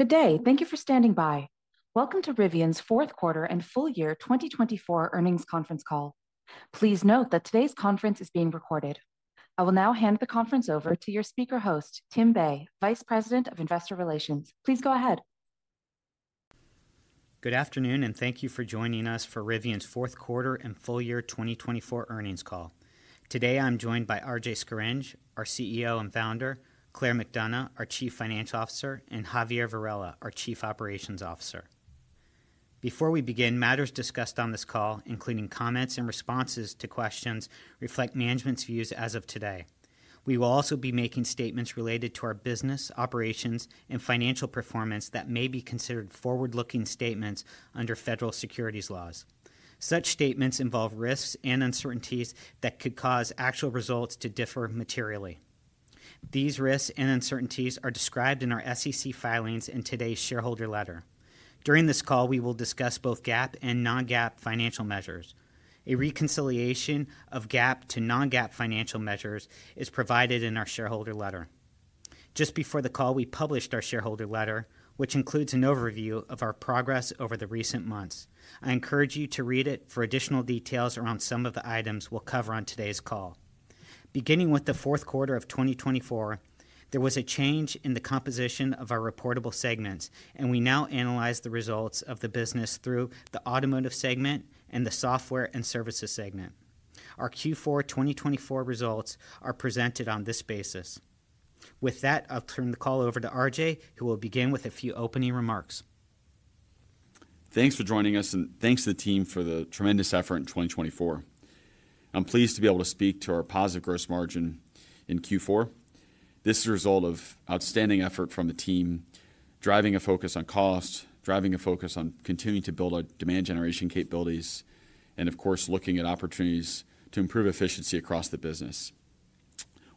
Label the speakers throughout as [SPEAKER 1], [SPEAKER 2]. [SPEAKER 1] Good day, thank you for standing by. Welcome to Rivian's fourth quarter and full year 2024 earnings conference call. Please note that today's conference is being recorded. I will now hand the conference over to your speaker host, Tim Bei, Vice President of Investor Relations. Please go ahead.
[SPEAKER 2] Good afternoon, and thank you for joining us for Rivian's fourth quarter and full year 2024 earnings call. Today I'm joined by RJ Scaringe, our CEO and founder, Claire McDonough, our Chief Financial Officer, and Javier Varela, our Chief Operations Officer. Before we begin, matters discussed on this call, including comments and responses to questions, reflect management's views as of today. We will also be making statements related to our business, operations, and financial performance that may be considered forward-looking statements under federal securities laws. Such statements involve risks and uncertainties that could cause actual results to differ materially. These risks and uncertainties are described in our SEC filings and today's shareholder letter. During this call, we will discuss both GAAP and non-GAAP financial measures. A reconciliation of GAAP to non-GAAP financial measures is provided in our shareholder letter. Just before the call, we published our shareholder letter, which includes an overview of our progress over the recent months. I encourage you to read it for additional details around some of the items we'll cover on today's call. Beginning with the fourth quarter of 2024, there was a change in the composition of our reportable segments, and we now analyze the results of the business through the automotive segment and the software and services segment. Our Q4 2024 results are presented on this basis. With that, I'll turn the call over to RJ, who will begin with a few opening remarks.
[SPEAKER 3] Thanks for joining us, and thanks to the team for the tremendous effort in 2024. I'm pleased to be able to speak to our positive gross margin in Q4. This is a result of outstanding effort from the team, driving a focus on cost, driving a focus on continuing to build our demand generation capabilities, and, of course, looking at opportunities to improve efficiency across the business.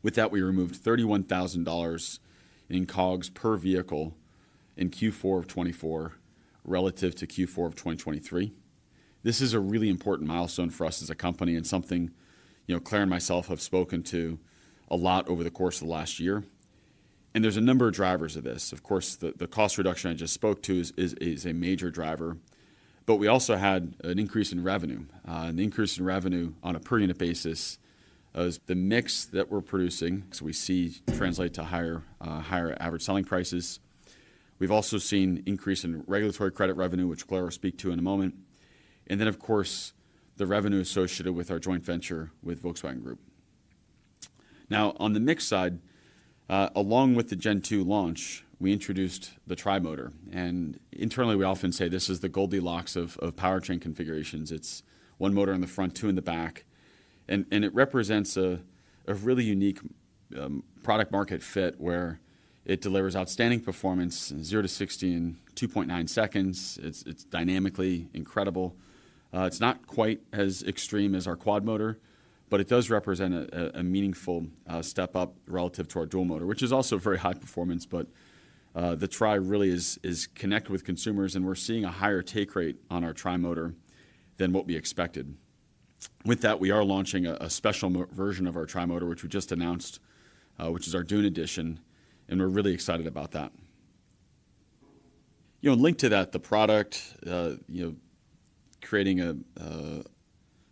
[SPEAKER 3] With that, we removed $31,000 in COGS per vehicle in Q4 of 2024 relative to Q4 of 2023. This is a really important milestone for us as a company and something, you know, Claire and myself have spoken to a lot over the course of the last year, and there's a number of drivers of this. Of course, the cost reduction I just spoke to is a major driver, but we also had an increase in revenue. The increase in revenue on a per unit basis is the mix that we're producing. So we see translate to higher average selling prices. We've also seen an increase in regulatory credit revenue, which Claire will speak to in a moment. And then, of course, the revenue associated with our joint venture with Volkswagen Group. Now, on the mix side, along with the Gen 2 launch, we introduced the Tri-Motor. And internally, we often say this is the Goldilocks of powertrain configurations. It's one motor in the front, two in the back. And it represents a really unique product-market fit where it delivers outstanding performance, 0-60 in 2.9 seconds. It's dynamically incredible. It's not quite as extreme as our Quad-Motor, but it does represent a meaningful step up relative to our Dual-Motor, which is also very high performance. But the Tri really is connected with consumers, and we're seeing a higher take rate on our Tri-Motor than what we expected. With that, we are launching a special version of our Tri-Motor, which we just announced, which is our Dune Edition, and we're really excited about that. You know, linked to that, the product, you know, creating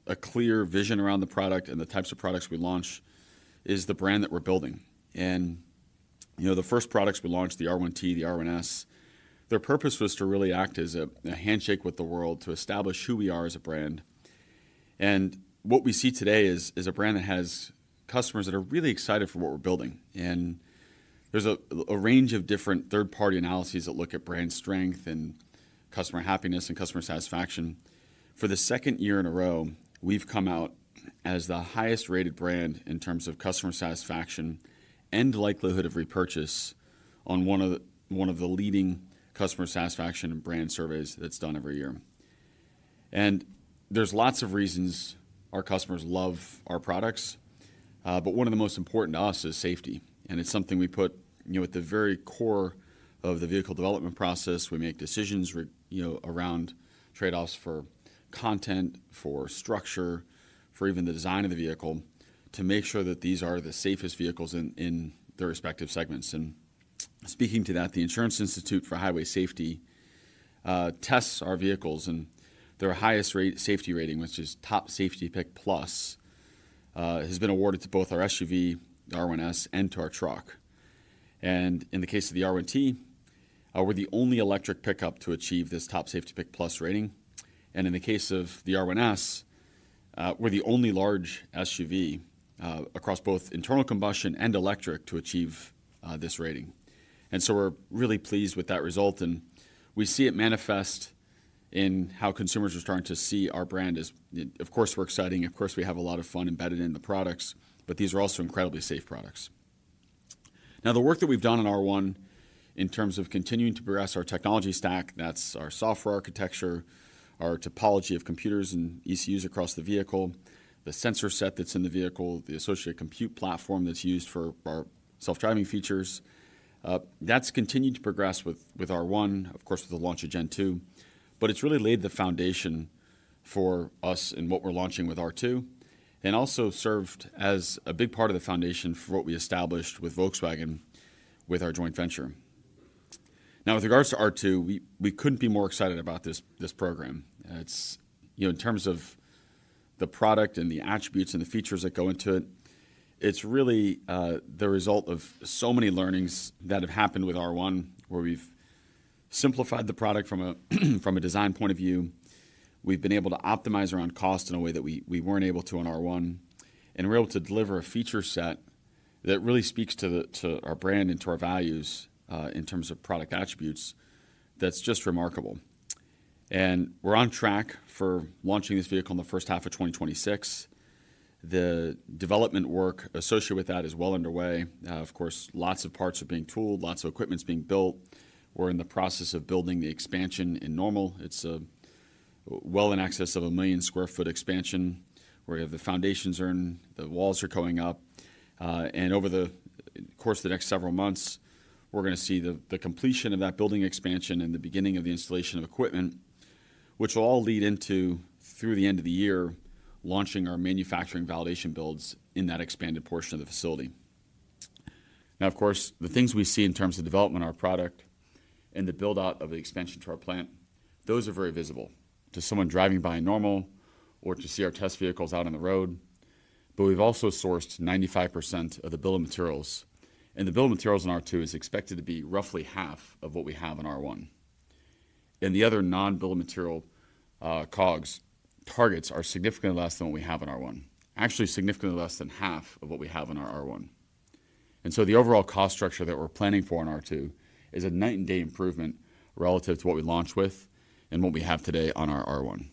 [SPEAKER 3] a clear vision around the product and the types of products we launch is the brand that we're building. And, you know, the first products we launched, the R1T, the R1S, their purpose was to really act as a handshake with the world, to establish who we are as a brand. And what we see today is a brand that has customers that are really excited for what we're building. And there's a range of different third-party analyses that look at brand strength and customer happiness and customer satisfaction. For the second year in a row, we've come out as the highest-rated brand in terms of customer satisfaction and likelihood of repurchase on one of the leading customer satisfaction and brand surveys that's done every year. And there's lots of reasons our customers love our products, but one of the most important to us is safety. And it's something we put, you know, at the very core of the vehicle development process. We make decisions, you know, around trade-offs for content, for structure, for even the design of the vehicle to make sure that these are the safest vehicles in their respective segments. And speaking to that, the Insurance Institute for Highway Safety tests our vehicles, and their highest safety rating, which is Top Safety Pick Plus, has been awarded to both our SUV, R1S, and to our truck. And in the case of the R1T, we're the only electric pickup to achieve this Top Safety Pick Plus rating. And in the case of the R1S, we're the only large SUV across both internal combustion and electric to achieve this rating. And so we're really pleased with that result, and we see it manifest in how consumers are starting to see our brand as, of course, we're exciting, of course, we have a lot of fun embedded in the products, but these are also incredibly safe products. Now, the work that we've done on R1 in terms of continuing to progress our technology stack, that's our software architecture, our topology of computers and ECUs across the vehicle, the sensor set that's in the vehicle, the associated compute platform that's used for our self-driving features, that's continued to progress with R1, of course, with the launch of Gen 2. But it's really laid the foundation for us in what we're launching with R2, and also served as a big part of the foundation for what we established with Volkswagen with our joint venture. Now, with regards to R2, we couldn't be more excited about this program. It's, you know, in terms of the product and the attributes and the features that go into it, it's really the result of so many learnings that have happened with R1, where we've simplified the product from a design point of view. We've been able to optimize around cost in a way that we weren't able to on R1, and we're able to deliver a feature set that really speaks to our brand and to our values in terms of product attributes that's just remarkable. And we're on track for launching this vehicle in the first half of 2026. The development work associated with that is well underway. Of course, lots of parts are being tooled, lots of equipment's being built. We're in the process of building the expansion in Normal. It's well in excess of a million sq ft expansion where we have the foundations poured, the walls are going up, and over the course of the next several months, we're going to see the completion of that building expansion and the beginning of the installation of equipment, which will all lead into, through the end of the year, launching our manufacturing validation builds in that expanded portion of the facility. Now, of course, the things we see in terms of development of our product and the build-out of the expansion to our plant, those are very visible to someone driving by in Normal or to see our test vehicles out on the road. But we've also sourced 95% of the bill of materials, and the bill of materials in R2 is expected to be roughly half of what we have in R1. And the other non-bill of material COGS targets are significantly less than what we have in R1, actually significantly less than half of what we have in our R1. And so the overall cost structure that we're planning for in R2 is a night-and-day improvement relative to what we launched with and what we have today on our R1.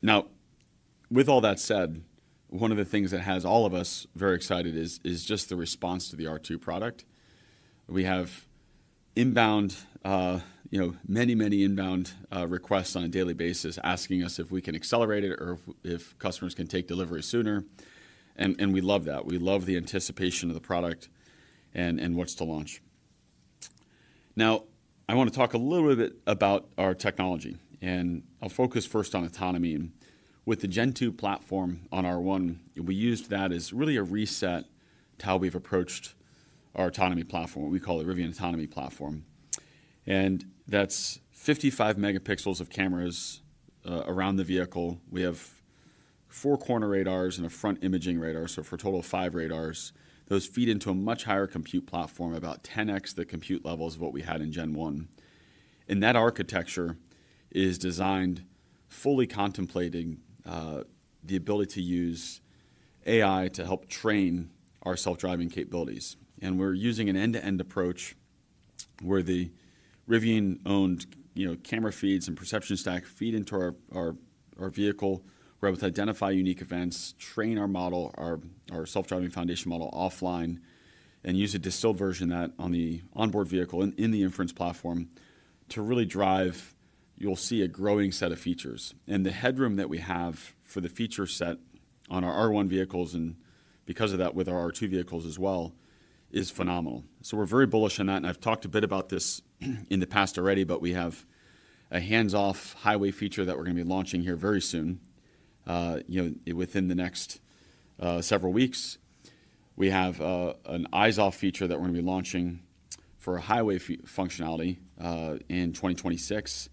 [SPEAKER 3] Now, with all that said, one of the things that has all of us very excited is just the response to the R2 product. We have inbound, you know, many, many inbound requests on a daily basis asking us if we can accelerate it or if customers can take delivery sooner. And we love that. We love the anticipation of the product and what's to launch. Now, I want to talk a little bit about our technology, and I'll focus first on autonomy. With the Gen 2 platform on R1, we used that as really a reset to how we've approached our autonomy platform, what we call the Rivian Autonomy Platform, and that's 55 megapixels of cameras around the vehicle. We have four-corner radars and a front imaging radar, so for a total of five radars. Those feed into a much higher compute platform, about 10x the compute levels of what we had in Gen 1, and that architecture is designed fully contemplating the ability to use AI to help train our self-driving capabilities. We're using an end-to-end approach where the Rivian-owned, you know, camera feeds and perception stack feed into our vehicle, where it's identifying unique events, training our model, our self-driving foundation model offline, and using a distilled version of that on the onboard vehicle and in the inference platform to really drive. You'll see a growing set of features. The headroom that we have for the feature set on our R1 vehicles and because of that with our R2 vehicles as well is phenomenal. We're very bullish on that, and I've talked a bit about this in the past already, but we have a hands-off highway feature that we're going to be launching here very soon, you know, within the next several weeks. We have an eyes-off feature that we're going to be launching for a highway functionality in 2026.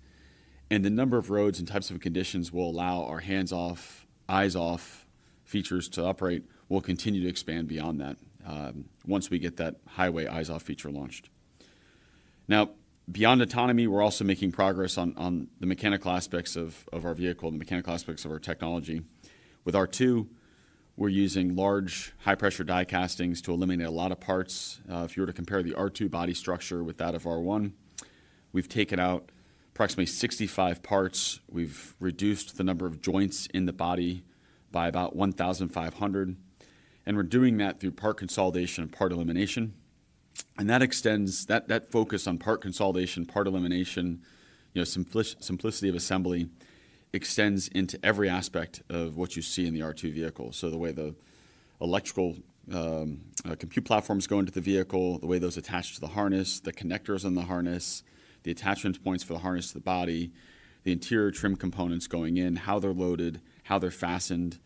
[SPEAKER 3] The number of roads and types of conditions will allow our hands-off, eyes-off features to operate. We'll continue to expand beyond that once we get that highway eyes-off feature launched. Now, beyond autonomy, we're also making progress on the mechanical aspects of our vehicle, the mechanical aspects of our technology. With R2, we're using large high-pressure die castings to eliminate a lot of parts. If you were to compare the R2 body structure with that of R1, we've taken out approximately 65 parts. We've reduced the number of joints in the body by about 1,500. And we're doing that through part consolidation and part elimination. And that extends that focus on part consolidation, part elimination, you know, simplicity of assembly extends into every aspect of what you see in the R2 vehicle. So the way the electrical compute platforms go into the vehicle, the way those attach to the harness, the connectors on the harness, the attachment points for the harness to the body, the interior trim components going in, how they're loaded, how they're fastened,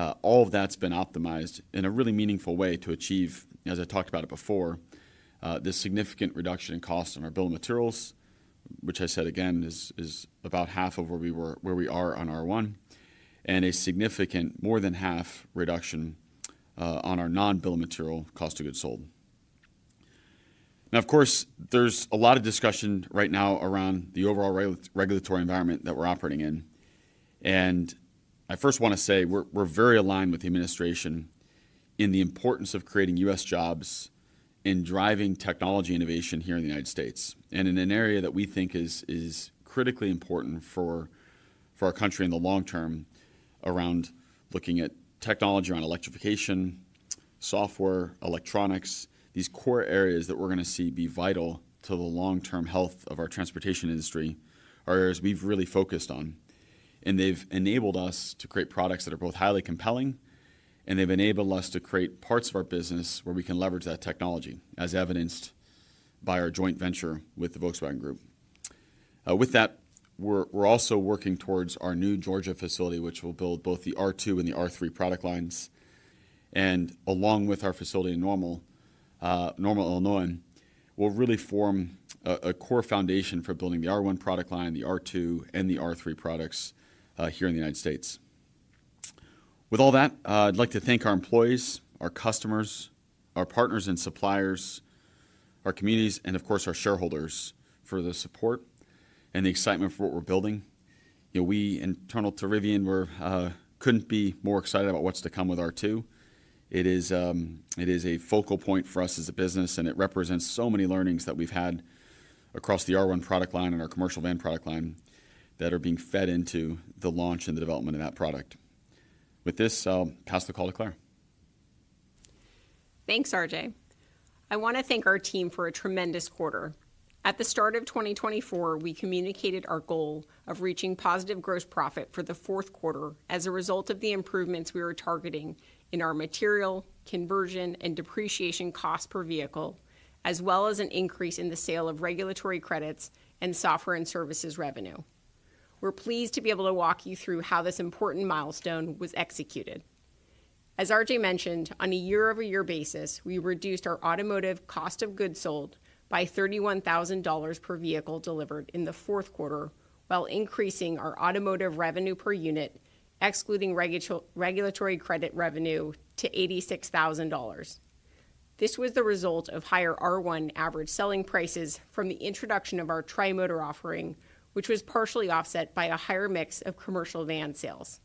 [SPEAKER 3] all of that's been optimized in a really meaningful way to achieve, as I talked about it before, this significant reduction in cost on our bill of materials, which I said, again, is about half of where we are on R1, and a significant more than half reduction on our non-bill of material cost of goods sold. Now, of course, there's a lot of discussion right now around the overall regulatory environment that we're operating in. And I first want to say we're very aligned with the administration in the importance of creating U.S. jobs and driving technology innovation here in the United States, and in an area that we think is critically important for our country in the long term around looking at technology around electrification, software, electronics, these core areas that we're going to see be vital to the long-term health of our transportation industry are areas we've really focused on. And they've enabled us to create products that are both highly compelling, and they've enabled us to create parts of our business where we can leverage that technology, as evidenced by our joint venture with the Volkswagen Group. With that, we're also working towards our new Georgia facility, which will build both the R2 and the R3 product lines. And along with our facility in Normal, Illinois, will really form a core foundation for building the R1 product line, the R2, and the R3 products here in the United States. With all that, I'd like to thank our employees, our customers, our partners and suppliers, our communities, and of course, our shareholders for the support and the excitement for what we're building. You know, we internal to Rivian, we couldn't be more excited about what's to come with R2. It is a focal point for us as a business, and it represents so many learnings that we've had across the R1 product line and our commercial van product line that are being fed into the launch and the development of that product. With this, I'll pass the call to Claire.
[SPEAKER 4] Thanks, RJ. I want to thank our team for a tremendous quarter. At the start of 2024, we communicated our goal of reaching positive gross profit for the fourth quarter as a result of the improvements we were targeting in our material conversion and depreciation cost per vehicle, as well as an increase in the sale of regulatory credits and software and services revenue. We're pleased to be able to walk you through how this important milestone was executed. As RJ mentioned, on a year-over-year basis, we reduced our automotive cost of goods sold by $31,000 per vehicle delivered in the fourth quarter, while increasing our automotive revenue per unit, excluding regulatory credit revenue, to $86,000. This was the result of higher R1 average selling prices from the introduction of our tri-motor offering, which was partially offset by a higher mix of commercial van sales.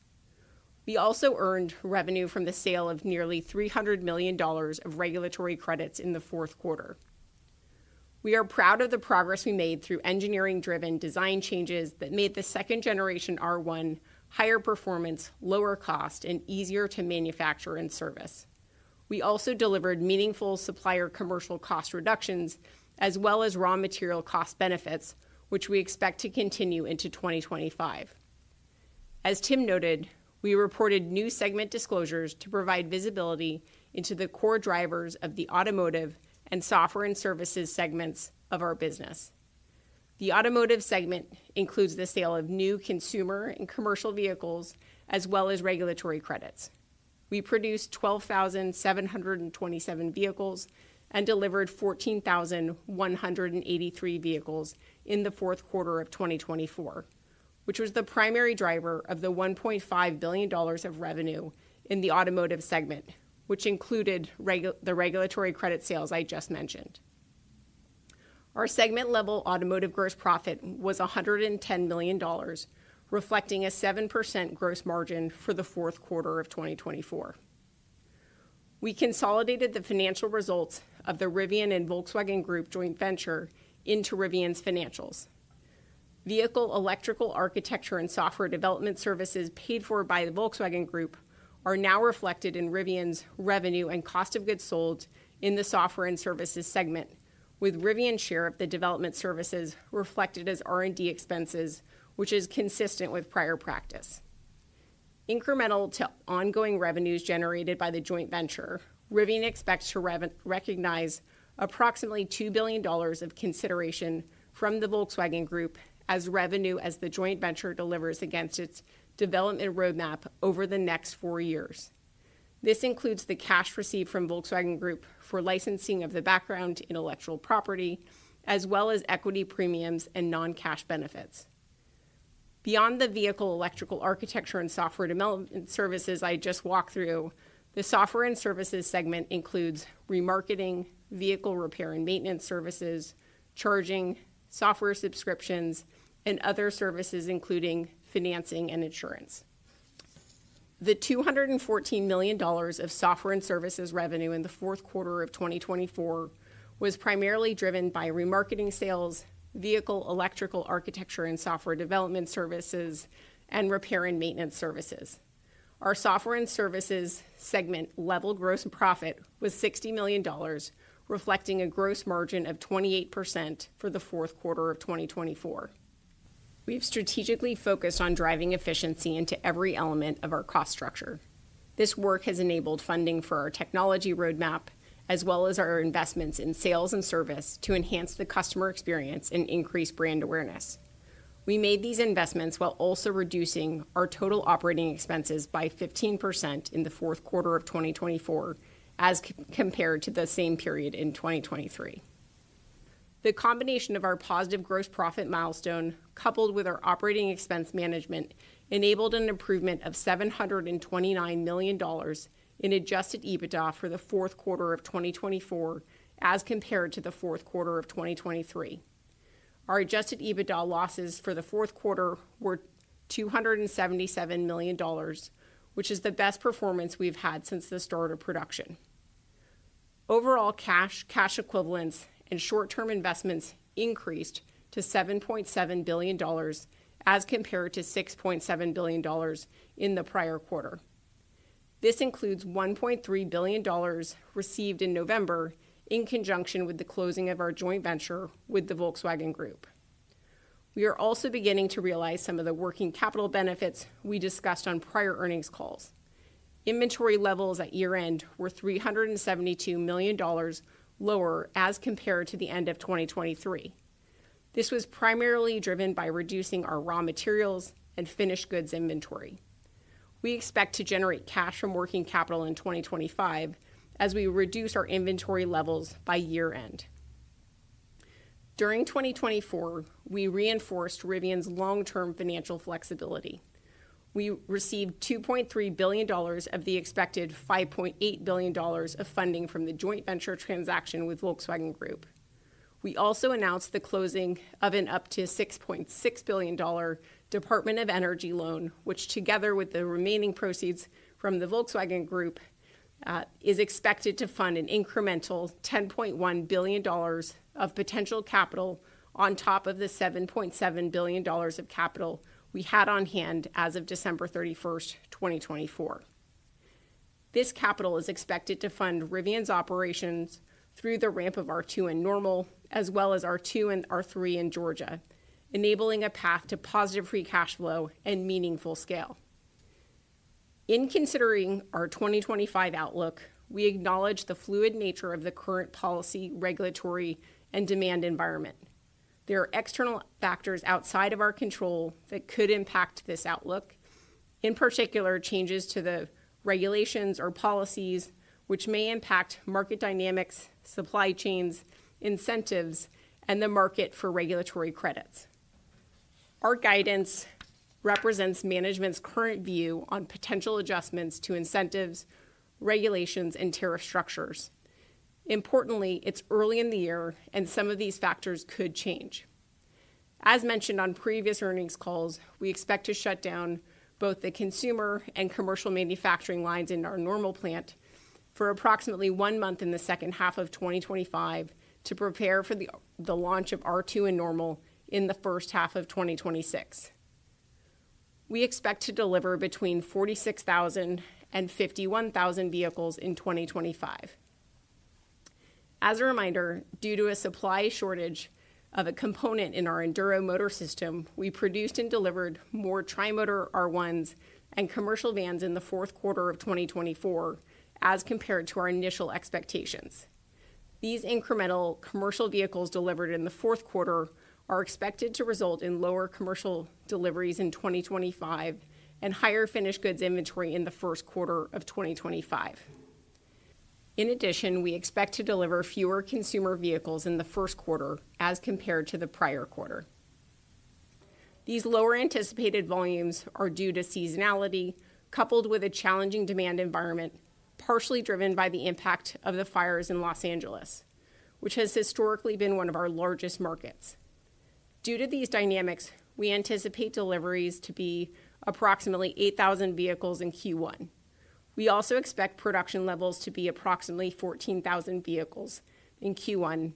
[SPEAKER 4] We also earned revenue from the sale of nearly $300 million of regulatory credits in the fourth quarter. We are proud of the progress we made through engineering-driven design changes that made the second-generation R1 higher performance, lower cost, and easier to manufacture and service. We also delivered meaningful supplier commercial cost reductions, as well as raw material cost benefits, which we expect to continue into 2025. As Tim noted, we reported new segment disclosures to provide visibility into the core drivers of the automotive and software and services segments of our business. The automotive segment includes the sale of new consumer and commercial vehicles, as well as regulatory credits. We produced 12,727 vehicles and delivered 14,183 vehicles in the fourth quarter of 2024, which was the primary driver of the $1.5 billion of revenue in the automotive segment, which included the regulatory credit sales I just mentioned. Our segment-level automotive gross profit was $110 million, reflecting a 7% gross margin for the fourth quarter of 2024. We consolidated the financial results of the Rivian and Volkswagen Group joint venture into Rivian's financials. Vehicle electrical architecture and software development services paid for by the Volkswagen Group are now reflected in Rivian's revenue and cost of goods sold in the software and services segment, with Rivian's share of the development services reflected as R&D expenses, which is consistent with prior practice. Incremental to ongoing revenues generated by the joint venture, Rivian expects to recognize approximately $2 billion of consideration from the Volkswagen Group as revenue as the joint venture delivers against its development roadmap over the next four years. This includes the cash received from Volkswagen Group for licensing of the background intellectual property, as well as equity premiums and non-cash benefits. Beyond the vehicle electrical architecture and software development services I just walked through, the software and services segment includes remarketing, vehicle repair and maintenance services, charging, software subscriptions, and other services, including financing and insurance. The $214 million of software and services revenue in the fourth quarter of 2024 was primarily driven by remarketing sales, vehicle electrical architecture and software development services, and repair and maintenance services. Our software and services segment level gross profit was $60 million, reflecting a gross margin of 28% for the fourth quarter of 2024. We've strategically focused on driving efficiency into every element of our cost structure. This work has enabled funding for our technology roadmap, as well as our investments in sales and service to enhance the customer experience and increase brand awareness. We made these investments while also reducing our total operating expenses by 15% in the fourth quarter of 2024, as compared to the same period in 2023. The combination of our positive gross profit milestone coupled with our operating expense management enabled an improvement of $729 million in Adjusted EBITDA for the fourth quarter of 2024, as compared to the fourth quarter of 2023. Our Adjusted EBITDA losses for the fourth quarter were $277 million, which is the best performance we've had since the start of production. Overall cash, cash equivalents, and short-term investments increased to $7.7 billion, as compared to $6.7 billion in the prior quarter. This includes $1.3 billion received in November in conjunction with the closing of our joint venture with the Volkswagen Group. We are also beginning to realize some of the working capital benefits we discussed on prior earnings calls. Inventory levels at year-end were $372 million lower as compared to the end of 2023. This was primarily driven by reducing our raw materials and finished goods inventory. We expect to generate cash from working capital in 2025 as we reduce our inventory levels by year-end. During 2024, we reinforced Rivian's long-term financial flexibility. We received $2.3 billion of the expected $5.8 billion of funding from the joint venture transaction with Volkswagen Group. We also announced the closing of an up to $6.6 billion Department of Energy loan, which, together with the remaining proceeds from the Volkswagen Group, is expected to fund an incremental $10.1 billion of potential capital on top of the $7.7 billion of capital we had on hand as of December 31st, 2024. This capital is expected to fund Rivian's operations through the ramp of R2 in Normal, as well as R2 and R3 in Georgia, enabling a path to positive free cash flow and meaningful scale. In considering our 2025 outlook, we acknowledge the fluid nature of the current policy, regulatory, and demand environment. There are external factors outside of our control that could impact this outlook, in particular changes to the regulations or policies, which may impact market dynamics, supply chains, incentives, and the market for regulatory credits. Our guidance represents management's current view on potential adjustments to incentives, regulations, and tariff structures. Importantly, it's early in the year, and some of these factors could change. As mentioned on previous earnings calls, we expect to shut down both the consumer and commercial manufacturing lines in our Normal plant for approximately one month in the second half of 2025 to prepare for the launch of R2 in Normal in the first half of 2026. We expect to deliver between 46,000 and 51,000 vehicles in 2025. As a reminder, due to a supply shortage of a component in our Enduro motor system, we produced and delivered more tri-motor R1s and commercial vans in the fourth quarter of 2024, as compared to our initial expectations. These incremental commercial vehicles delivered in the fourth quarter are expected to result in lower commercial deliveries in 2025 and higher finished goods inventory in the first quarter of 2025. In addition, we expect to deliver fewer consumer vehicles in the first quarter as compared to the prior quarter. These lower anticipated volumes are due to seasonality, coupled with a challenging demand environment, partially driven by the impact of the fires in Los Angeles, which has historically been one of our largest markets. Due to these dynamics, we anticipate deliveries to be approximately 8,000 vehicles in Q1. We also expect production levels to be approximately 14,000 vehicles in Q1,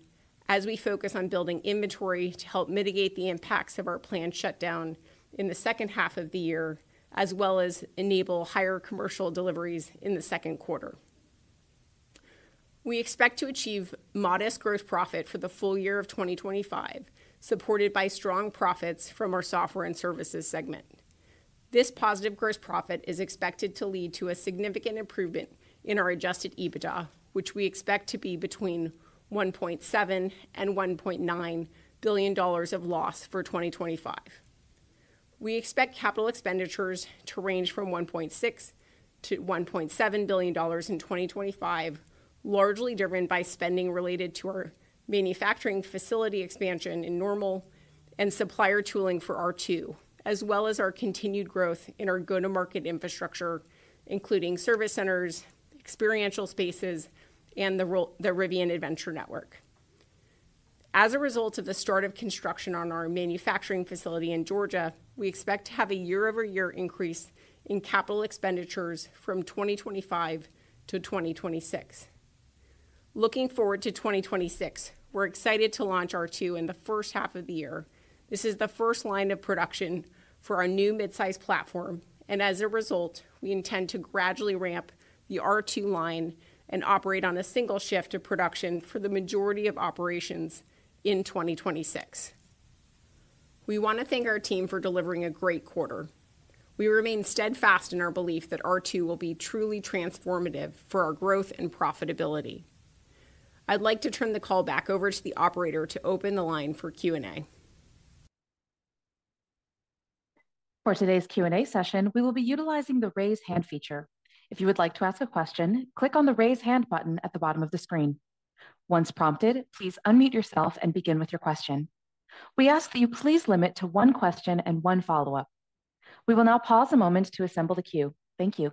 [SPEAKER 4] as we focus on building inventory to help mitigate the impacts of our planned shutdown in the second half of the year, as well as enable higher commercial deliveries in the second quarter. We expect to achieve modest gross profit for the full year of 2025, supported by strong profits from our software and services segment. This positive gross profit is expected to lead to a significant improvement in our Adjusted EBITDA, which we expect to be between $1.7 and $1.9 billion of loss for 2025. We expect capital expenditures to range from $1.6-$1.7 billion in 2025, largely driven by spending related to our manufacturing facility expansion in Normal and supplier tooling for R2, as well as our continued growth in our go-to-market infrastructure, including service centers, experiential spaces, and the Rivian Adventure Network. As a result of the start of construction on our manufacturing facility in Georgia, we expect to have a year-over-year increase in capital expenditures from 2025 to 2026. Looking forward to 2026, we're excited to launch R2 in the first half of the year. This is the first line of production for our new midsize platform, and as a result, we intend to gradually ramp the R2 line and operate on a single shift of production for the majority of operations in 2026. We want to thank our team for delivering a great quarter. We remain steadfast in our belief that R2 will be truly transformative for our growth and profitability. I'd like to turn the call back over to the operator to open the line for Q&A.
[SPEAKER 1] For today's Q&A session, we will be utilizing the raise hand feature. If you would like to ask a question, click on the raise hand button at the bottom of the screen. Once prompted, please unmute yourself and begin with your question. We ask that you please limit to one question and one follow-up. We will now pause a moment to assemble the queue. Thank you.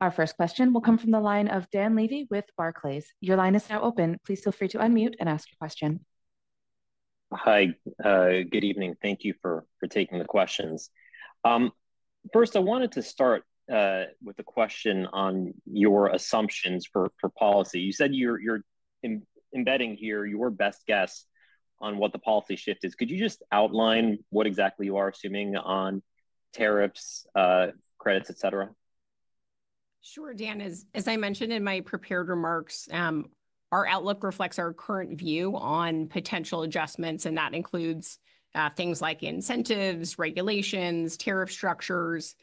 [SPEAKER 1] Our first question will come from the line of Dan Levy with Barclays. Your line is now open. Please feel free to unmute and ask your question.
[SPEAKER 5] Hi. Good evening. Thank you for taking the questions. First, I wanted to start with a question on your assumptions for policy. You said you're embedding here your best guess on what the policy shift is. Could you just outline what exactly you are assuming on tariffs, credits, etc.?
[SPEAKER 4] Sure, Dan. As I mentioned in my prepared remarks, our outlook reflects our current view on potential adjustments, and that includes things like incentives, regulations, tariff structures.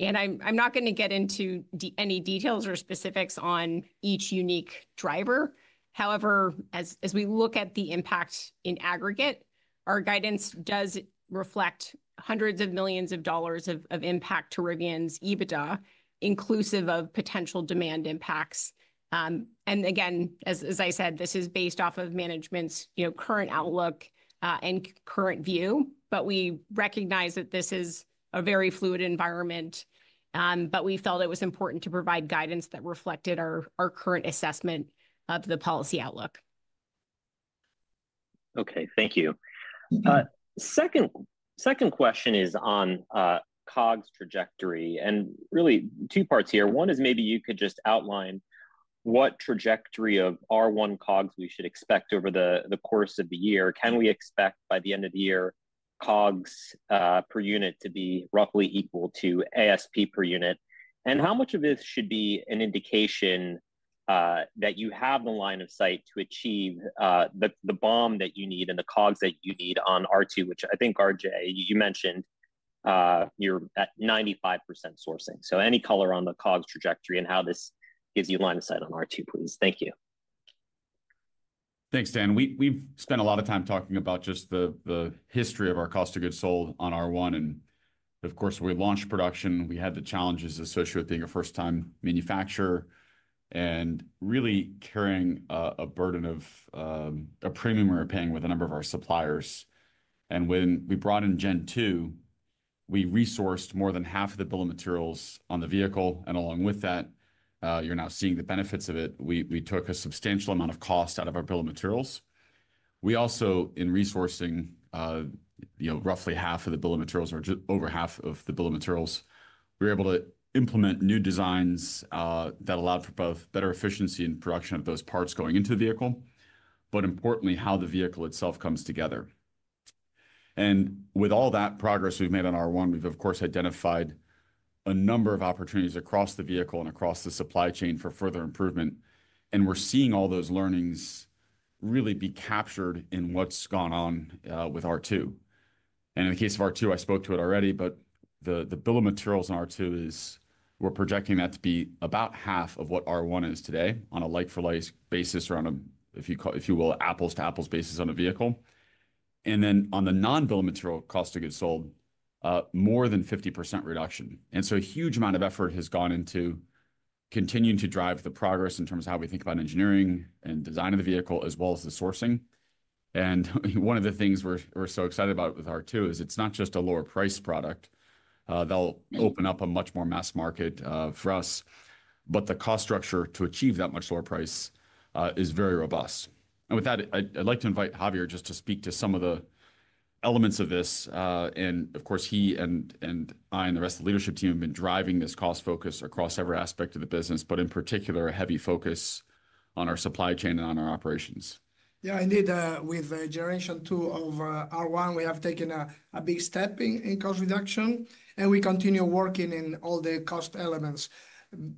[SPEAKER 4] And I'm not going to get into any details or specifics on each unique driver. However, as we look at the impact in aggregate, our guidance does reflect hundreds of millions of dollars of impact to Rivian's EBITDA, inclusive of potential demand impacts. And again, as I said, this is based off of management's current outlook and current view, but we recognize that this is a very fluid environment. But we felt it was important to provide guidance that reflected our current assessment of the policy outlook.
[SPEAKER 5] Okay. Thank you. Second question is on COGS trajectory. And really, two parts here. One is maybe you could just outline what trajectory of R1 COGS we should expect over the course of the year. Can we expect by the end of the year, COGS per unit to be roughly equal to ASP per unit? And how much of this should be an indication that you have the line of sight to achieve the BOM that you need and the COGS that you need on R2, which I think RJ, you mentioned you're at 95% sourcing. So any color on the COGS trajectory and how this gives you line of sight on R2, please. Thank you.
[SPEAKER 3] Thanks, Dan. We've spent a lot of time talking about just the history of our cost of goods sold on R1. And of course, we launched production. We had the challenges associated with being a first-time manufacturer and really carrying a burden of a premium we were paying with a number of our suppliers. And when we brought in Gen 2, we resourced more than half of the bill of materials on the vehicle. And along with that, you're now seeing the benefits of it. We took a substantial amount of cost out of our bill of materials. We also, in resourcing, roughly half of the bill of materials or just over half of the bill of materials, we were able to implement new designs that allowed for both better efficiency in production of those parts going into the vehicle, but importantly, how the vehicle itself comes together. And with all that progress we've made on R1, we've, of course, identified a number of opportunities across the vehicle and across the supply chain for further improvement. We're seeing all those learnings really be captured in what's gone on with R2. In the case of R2, I spoke to it already, but the bill of materials on R2, we're projecting that to be about half of what R1 is today on a like-for-like basis or on a, if you will, apples-to-apples basis on a vehicle. Then on the non-bill of material cost of goods sold, more than 50% reduction. So a huge amount of effort has gone into continuing to drive the progress in terms of how we think about engineering and design of the vehicle, as well as the sourcing. One of the things we're so excited about with R2 is it's not just a lower-priced product. They'll open up a much more mass market for us, but the cost structure to achieve that much lower price is very robust. With that, I'd like to invite Javier just to speak to some of the elements of this. And of course, he and I and the rest of the leadership team have been driving this cost focus across every aspect of the business, but in particular, a heavy focus on our supply chain and on our operations.
[SPEAKER 6] Yeah, indeed. With Generation 2 of R1, we have taken a big step in cost reduction, and we continue working in all the cost elements,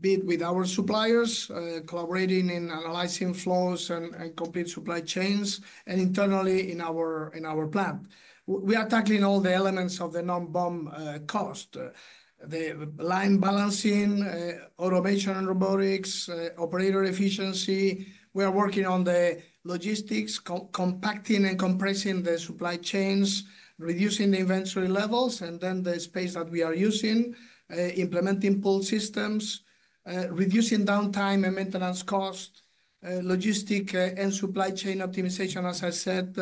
[SPEAKER 6] be it with our suppliers, collaborating in analyzing flows and complete supply chains, and internally in our plant. We are tackling all the elements of the non-BOM cost, the line balancing, automation and robotics, operator efficiency. We are working on the logistics, compacting and compressing the supply chains, reducing the inventory levels, and then the space that we are using, implementing pull systems, reducing downtime and maintenance cost, logistic and supply chain optimization, as I said,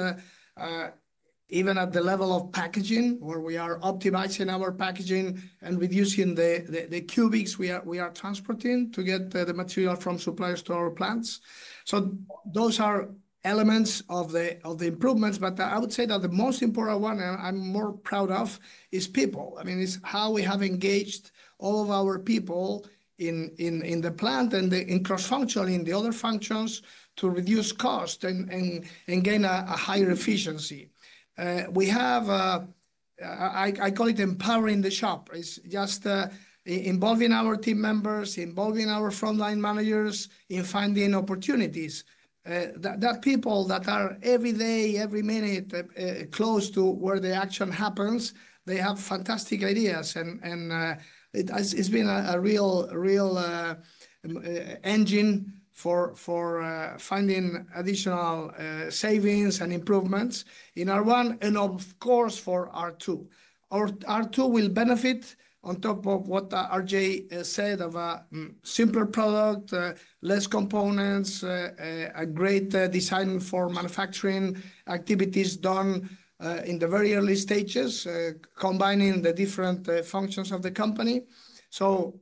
[SPEAKER 6] even at the level of packaging, where we are optimizing our packaging and reducing the cubics we are transporting to get the material from suppliers to our plants. So those are elements of the improvements, but I would say that the most important one, and I'm more proud of, is people. I mean, it's how we have engaged all of our people in the plant and cross-functionally in the other functions to reduce cost and gain a higher efficiency. We have, I call it empowering the shop. It's just involving our team members, involving our frontline managers in finding opportunities. That people that are every day, every minute close to where the action happens, they have fantastic ideas. And it's been a real engine for finding additional savings and improvements in R1 and, of course, for R2. R2 will benefit on top of what RJ said of a simpler product, less components, a great design for manufacturing activities done in the very early stages, combining the different functions of the company. So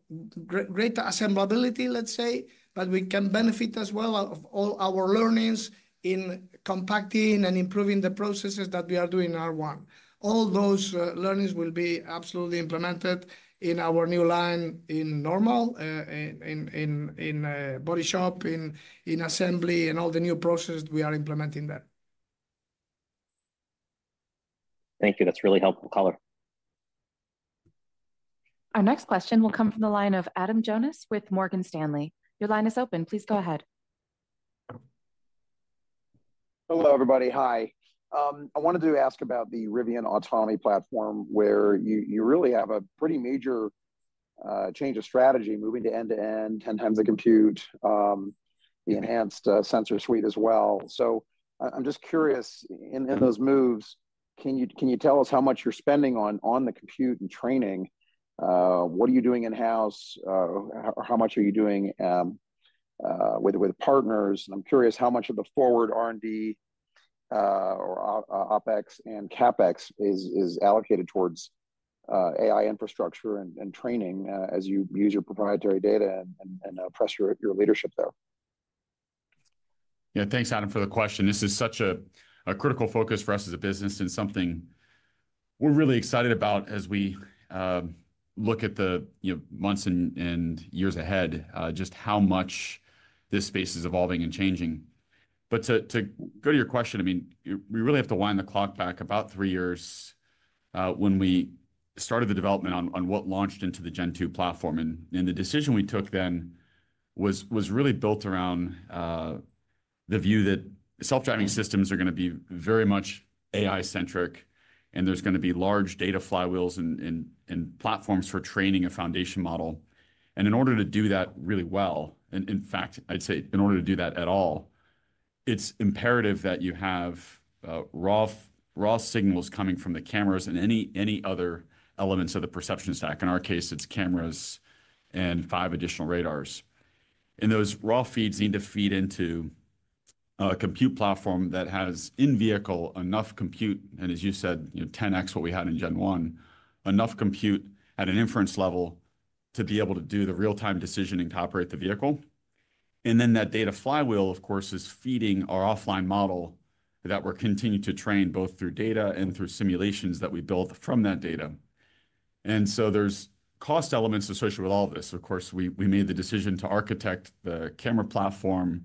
[SPEAKER 6] great assemblability, let's say, but we can benefit as well of all our learnings in compacting and improving the processes that we are doing in R1. All those learnings will be absolutely implemented in our new line in Normal, in Body Shop, in Assembly, and all the new processes we are implementing there.
[SPEAKER 5] Thank you. That's really helpful, Claire.
[SPEAKER 1] Our next question will come from the line of Adam Jonas with Morgan Stanley. Your line is open. Please go ahead.
[SPEAKER 7] Hello, everybody. Hi. I wanted to ask about the Rivian Autonomy Platform, where you really have a pretty major change of strategy, moving to end-to-end, 10 times the compute, the enhanced sensor suite as well. So I'm just curious, in those moves, can you tell us how much you're spending on the compute and training? What are you doing in-house? How much are you doing with partners? And I'm curious how much of the forward R&D or OPEX and CAPEX is allocated towards AI infrastructure and training as you use your proprietary data and press your leadership there.
[SPEAKER 3] Yeah, thanks, Adam, for the question. This is such a critical focus for us as a business and something we're really excited about as we look at the months and years ahead, just how much this space is evolving and changing. But to go to your question, I mean, we really have to wind the clock back about three years when we started the development on what launched into the Gen 2 platform. And the decision we took then was really built around the view that self-driving systems are going to be very much AI-centric, and there's going to be large data flywheels and platforms for training a foundation model. And in order to do that really well, in fact, I'd say in order to do that at all, it's imperative that you have raw signals coming from the cameras and any other elements of the perception stack. In our case, it's cameras and five additional radars. And those raw feeds need to feed into a compute platform that has in-vehicle enough compute, and as you said, 10x what we had in Gen 1, enough compute at an inference level to be able to do the real-time decision and to operate the vehicle. And then that data flywheel, of course, is feeding our offline model that we're continuing to train both through data and through simulations that we build from that data. And so there's cost elements associated with all of this. Of course, we made the decision to architect the camera platform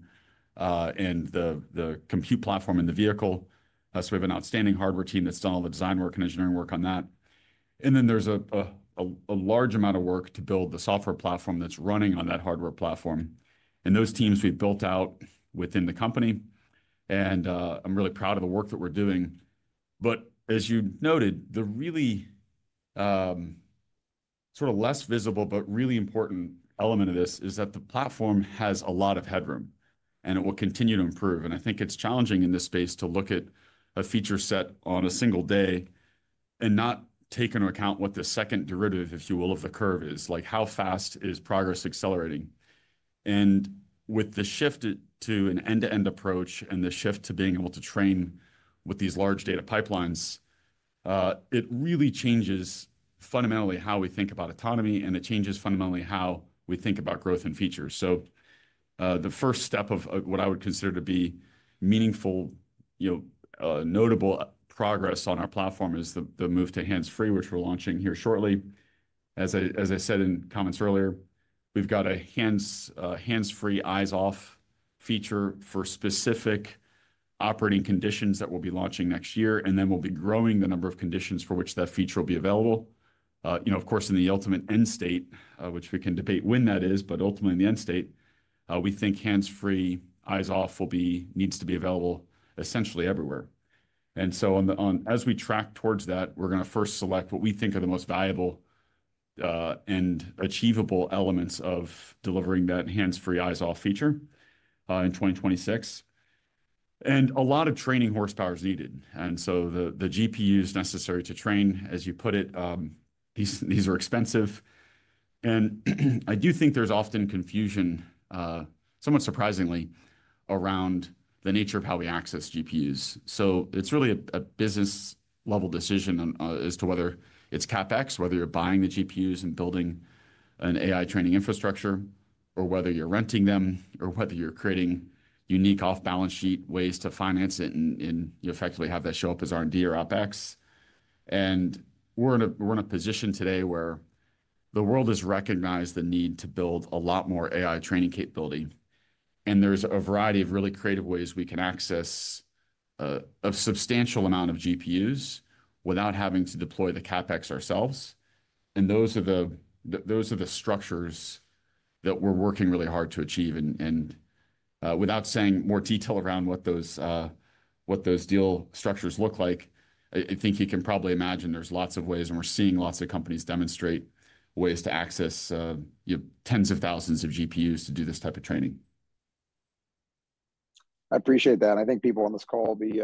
[SPEAKER 3] and the compute platform in the vehicle. So we have an outstanding hardware team that's done all the design work and engineering work on that. And then there's a large amount of work to build the software platform that's running on that hardware platform. And those teams we've built out within the company. I'm really proud of the work that we're doing. As you noted, the really sort of less visible but really important element of this is that the platform has a lot of headroom, and it will continue to improve. I think it's challenging in this space to look at a feature set on a single day and not take into account what the second derivative, if you will, of the curve is, like how fast is progress accelerating. With the shift to an end-to-end approach and the shift to being able to train with these large data pipelines, it really changes fundamentally how we think about autonomy, and it changes fundamentally how we think about growth and features. The first step of what I would consider to be meaningful, notable progress on our platform is the move to hands-free, which we're launching here shortly. As I said in comments earlier, we've got a hands-off, eyes-off feature for specific operating conditions that we'll be launching next year, and then we'll be growing the number of conditions for which that feature will be available. Of course, in the ultimate end state, which we can debate when that is, but ultimately in the end state, we think hands-off, eyes-off needs to be available essentially everywhere. And so as we track towards that, we're going to first select what we think are the most valuable and achievable elements of delivering that hands-off, eyes-off feature in 2026. And a lot of training horsepower is needed. And so the GPUs necessary to train, as you put it, these are expensive. And I do think there's often confusion, somewhat surprisingly, around the nature of how we access GPUs. So it's really a business-level decision as to whether it's CAPEX, whether you're buying the GPUs and building an AI training infrastructure, or whether you're renting them, or whether you're creating unique off-balance sheet ways to finance it and effectively have that show up as R&D or OPEX, and we're in a position today where the world has recognized the need to build a lot more AI training capability, and there's a variety of really creative ways we can access a substantial amount of GPUs without having to deploy the CAPEX ourselves, and those are the structures that we're working really hard to achieve, and without saying more detail around what those deal structures look like, I think you can probably imagine there's lots of ways, and we're seeing lots of companies demonstrate ways to access tens of thousands of GPUs to do this type of training.
[SPEAKER 7] I appreciate that. And I think people on this call will be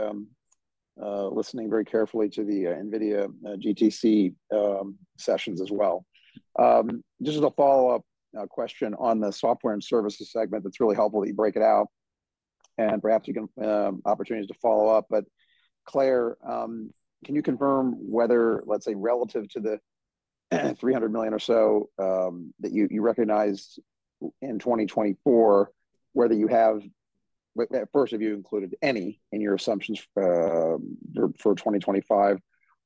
[SPEAKER 7] listening very carefully to the NVIDIA GTC sessions as well. Just as a follow-up question on the software and services segment, that's really helpful that you break it out and perhaps you can opportunities to follow up. But Claire, can you confirm whether, let's say, relative to the $300 million or so that you recognized in 2024, whether, first, have you included any in your assumptions for 2025,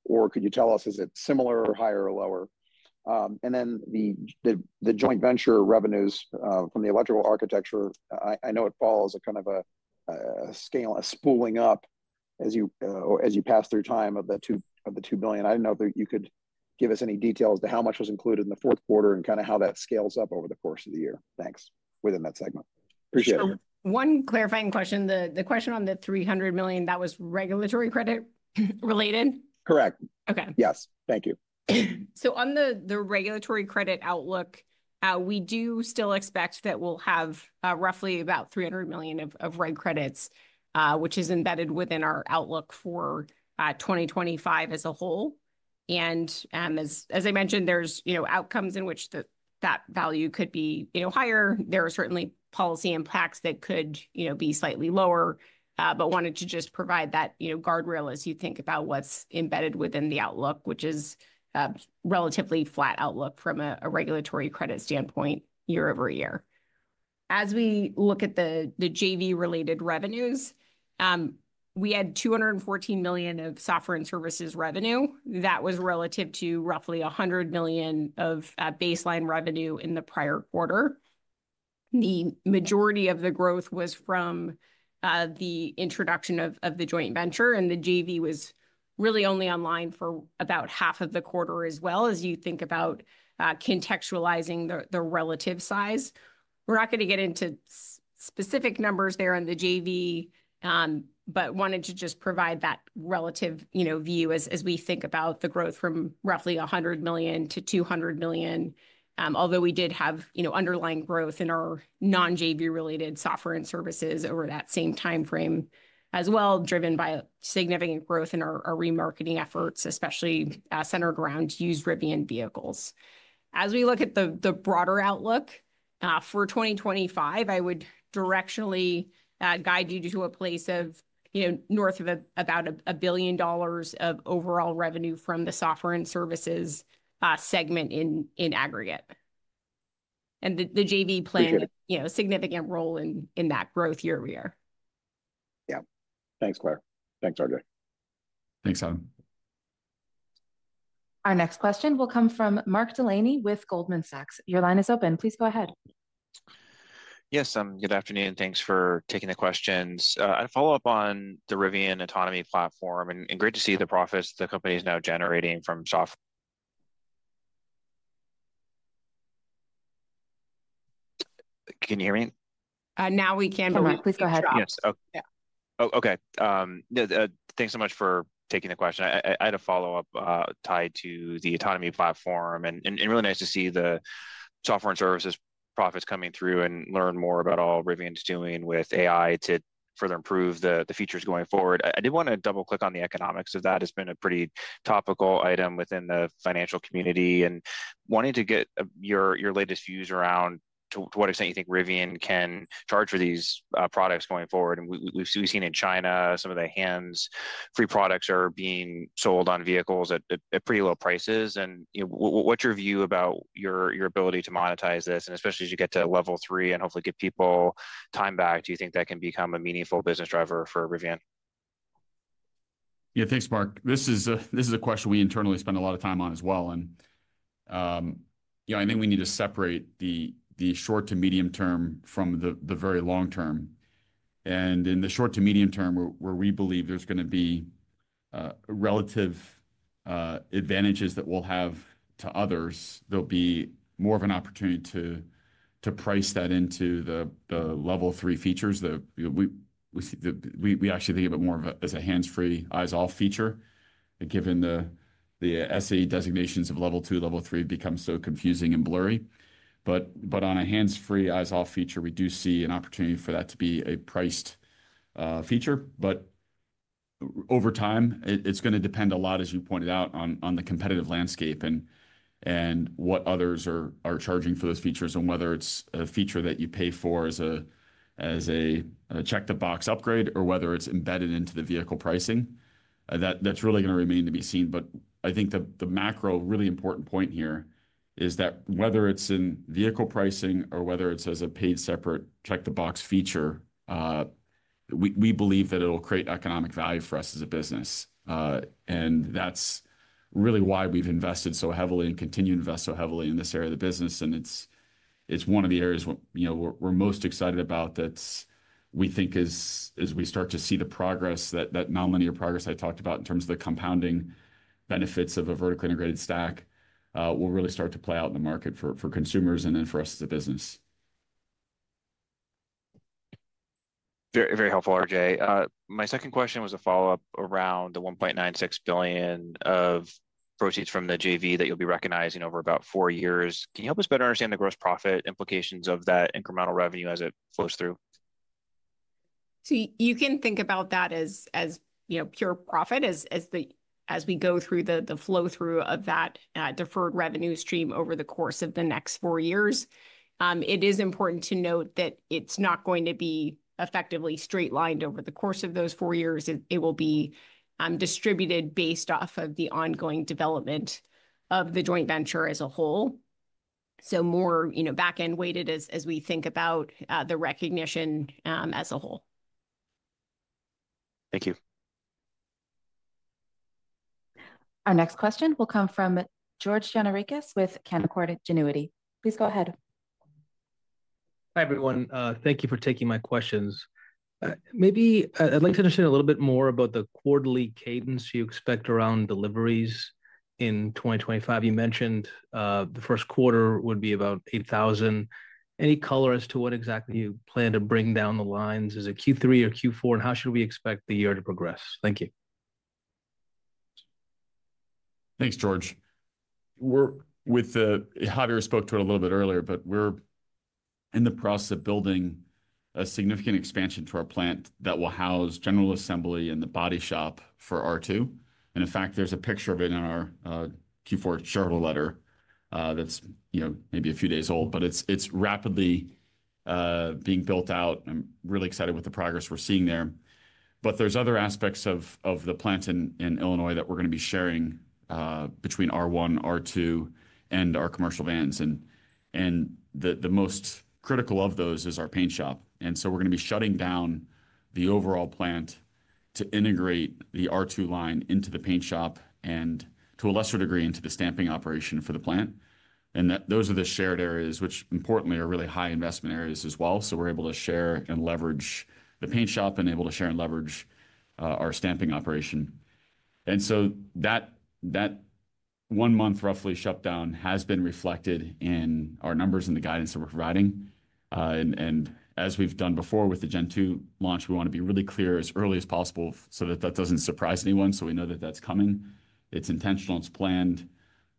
[SPEAKER 7] or could you tell us, is it similar or higher or lower? And then the joint venture revenues from the electrical architecture, I know it falls kind of on a scale of spooling up as you pass through time to the $2 billion. I don't know if you could give us any details to how much was included in the fourth quarter and kind of how that scales up over the course of the year. Thanks. Within that segment.
[SPEAKER 3] Appreciate it.
[SPEAKER 4] So one clarifying question. The question on the $300 million, that was regulatory credit related? Correct. Yes. Thank you. So on the regulatory credit outlook, we do still expect that we'll have roughly about $300 million of reg credits, which is embedded within our outlook for 2025 as a whole. And as I mentioned, there's outcomes in which that value could be higher. There are certainly policy impacts that could be slightly lower, but wanted to just provide that guardrail as you think about what's embedded within the outlook, which is a relatively flat outlook from a regulatory credit standpoint year over year. As we look at the JV-related revenues, we had $214 million of software and services revenue that was relative to roughly $100 million of baseline revenue in the prior quarter. The majority of the growth was from the introduction of the joint venture, and the JV was really only online for about half of the quarter as well as you think about contextualizing the relative size. We're not going to get into specific numbers there on the JV, but wanted to just provide that relative view as we think about the growth from roughly $100 million to $200 million, although we did have underlying growth in our non-JV-related software and services over that same timeframe as well, driven by significant growth in our remarketing efforts, especially centered around used Rivian vehicles. As we look at the broader outlook for 2025, I would directionally guide you to a place of north of about $1 billion of overall revenue from the software and services segment in aggregate, and the JV playing a significant role in that growth year-to-year.
[SPEAKER 7] Yeah. Thanks, Claire. Thanks, RJ.
[SPEAKER 3] Thanks, Adam.
[SPEAKER 1] Our next question will come from Mark Delaney with Goldman Sachs. Your line is open. Please go ahead.
[SPEAKER 8] Yes, good afternoon. Thanks for taking the questions. I'd follow up on the Rivian Autonomy Platform, and great to see the profits the company is now generating from software. Can you hear me?
[SPEAKER 4] Now we can, but please go ahead. Yes. Oh,
[SPEAKER 8] okay. Thanks so much for taking the question. I had a follow-up tied to the autonomy platform, and really nice to see the software and services profits coming through and learn more about all Rivian's doing with AI to further improve the features going forward. I did want to double-click on the economics of that. It's been a pretty topical item within the financial community, and wanting to get your latest views around to what extent you think Rivian can charge for these products going forward, and we've seen in China, some of the hands-free products are being sold on vehicles at pretty low prices. And what's your view about your ability to monetize this? And especially as you get to Level 3 and hopefully get people time back, do you think that can become a meaningful business driver for Rivian?
[SPEAKER 3] Yeah, thanks, Mark. This is a question we internally spend a lot of time on as well. I think we need to separate the short to medium term from the very long term. In the short to medium term, where we believe there's going to be relative advantages that we'll have to others, there'll be more of an opportunity to price that into the Level 3 features. We actually think of it more as a hands-free, eyes-off feature, given the SAE designations of Level 2, Level 3 becomes so confusing and blurry. On a hands-free, eyes-off feature, we do see an opportunity for that to be a priced feature. Over time, it's going to depend a lot, as you pointed out, on the competitive landscape and what others are charging for those features, and whether it's a feature that you pay for as a check-the-box upgrade or whether it's embedded into the vehicle pricing. That's really going to remain to be seen. But I think the macro really important point here is that whether it's in vehicle pricing or whether it's as a paid separate check-the-box feature, we believe that it'll create economic value for us as a business. And that's really why we've invested so heavily and continue to invest so heavily in this area of the business. And it's one of the areas we're most excited about that we think as we start to see the progress, that nonlinear progress I talked about in terms of the compounding benefits of a vertically integrated stack, will really start to play out in the market for consumers and then for us as a business.
[SPEAKER 8] Very helpful, RJ. My second question was a follow-up around the $1.96 billion of proceeds from the JV that you'll be recognizing over about four years. Can you help us better understand the gross profit implications of that incremental revenue as it flows through?
[SPEAKER 4] So you can think about that as pure profit as we go through the flow-through of that deferred revenue stream over the course of the next four years. It is important to note that it's not going to be effectively straight-lined over the course of those four years. It will be distributed based off of the ongoing development of the joint venture as a whole. So more back-end weighted as we think about the recognition as a whole.
[SPEAKER 8] Thank you.
[SPEAKER 1] Our next question will come from George Gianarikas with Canaccord Genuity. Please go ahead.
[SPEAKER 9] Hi everyone. Thank you for taking my questions. Maybe I'd like to understand a little bit more about the quarterly cadence you expect around deliveries in 2025. You mentioned the first quarter would be about 8,000. Any color as to what exactly you plan to bring down the lines? Is it Q3 or Q4? And how should we expect the year to progress? Thank you.
[SPEAKER 3] Thanks, George. Javier spoke to it a little bit earlier, but we're in the process of building a significant expansion to our plant that will house general assembly and the body shop for R2. And in fact, there's a picture of it in our Q4 shareholder letter that's maybe a few days old, but it's rapidly being built out. I'm really excited with the progress we're seeing there. But there's other aspects of the plant in Illinois that we're going to be sharing between R1, R2, and our commercial vans. And the most critical of those is our paint shop. We're going to be shutting down the overall plant to integrate the R2 line into the paint shop and to a lesser degree into the stamping operation for the plant. Those are the shared areas, which importantly are really high investment areas as well. We're able to share and leverage the paint shop and able to share and leverage our stamping operation. That one-month roughly shutdown has been reflected in our numbers and the guidance that we're providing. As we've done before with the Gen 2 launch, we want to be really clear as early as possible so that that doesn't surprise anyone. We know that that's coming. It's intentional. It's planned.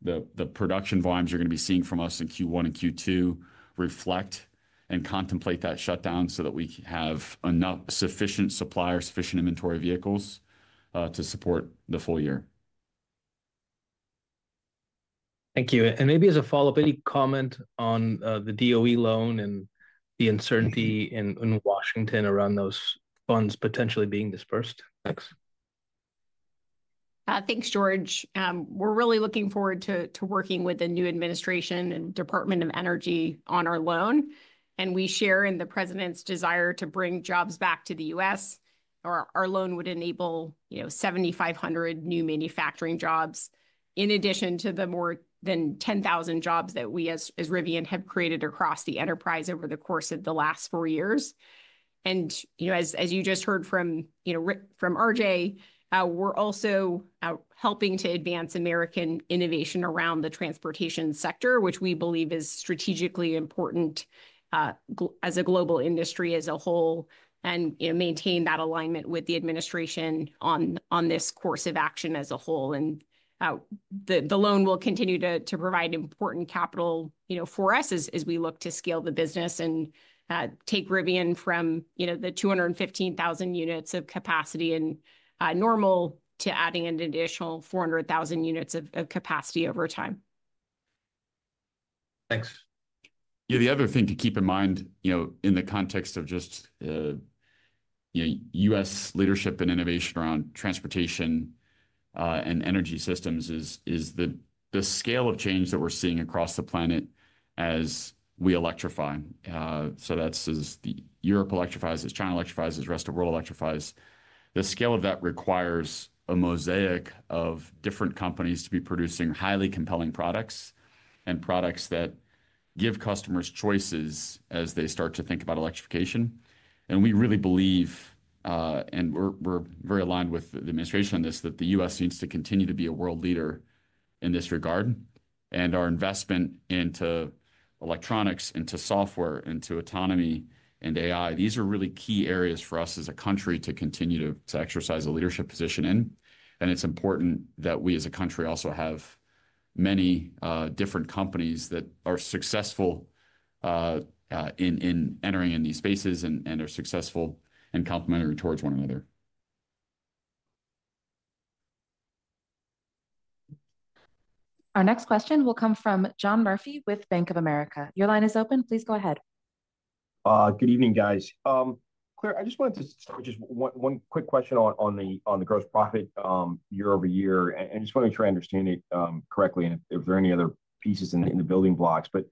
[SPEAKER 3] The production volumes you're going to be seeing from us in Q1 and Q2 reflect and contemplate that shutdown so that we have enough sufficient supply or sufficient inventory vehicles to support the full year.
[SPEAKER 9] Thank you. And maybe as a follow-up, any comment on the DOE loan and the uncertainty in Washington around those funds potentially being dispersed? Thanks.
[SPEAKER 4] Thanks, George. We're really looking forward to working with the new administration and Department of Energy on our loan. We share in the president's desire to bring jobs back to the U.S. Our loan would enable 7,500 new manufacturing jobs in addition to the more than 10,000 jobs that we as Rivian have created across the enterprise over the course of the last four years. And as you just heard from RJ, we're also helping to advance American innovation around the transportation sector, which we believe is strategically important as a global industry as a whole and maintain that alignment with the administration on this course of action as a whole. And the loan will continue to provide important capital for us as we look to scale the business and take Rivian from the 215,000 units of capacity in Normal to adding an additional 400,000 units of capacity over time.
[SPEAKER 9] Thanks.
[SPEAKER 3] Yeah, the other thing to keep in mind in the context of just U.S. leadership and innovation around transportation and energy systems is the scale of change that we're seeing across the planet as we electrify. So that's as Europe electrifies as China electrifies as the rest of the world electrifies. The scale of that requires a mosaic of different companies to be producing highly compelling products and products that give customers choices as they start to think about electrification. And we really believe, and we're very aligned with the administration on this, that the U.S. needs to continue to be a world leader in this regard. And our investment into electronics, into software, into autonomy, and AI, these are really key areas for us as a country to continue to exercise a leadership position in. And it's important that we as a country also have many different companies that are successful in entering in these spaces and are successful and complementary towards one another.
[SPEAKER 1] Our next question will come from John Murphy with Bank of America. Your line is open. Please go ahead.
[SPEAKER 10] Good evening, guys. Claire, I just wanted to start with just one quick question on the gross profit year-over-year, and I just want to make sure I understand it correctly and if there are any other pieces in the building blocks, but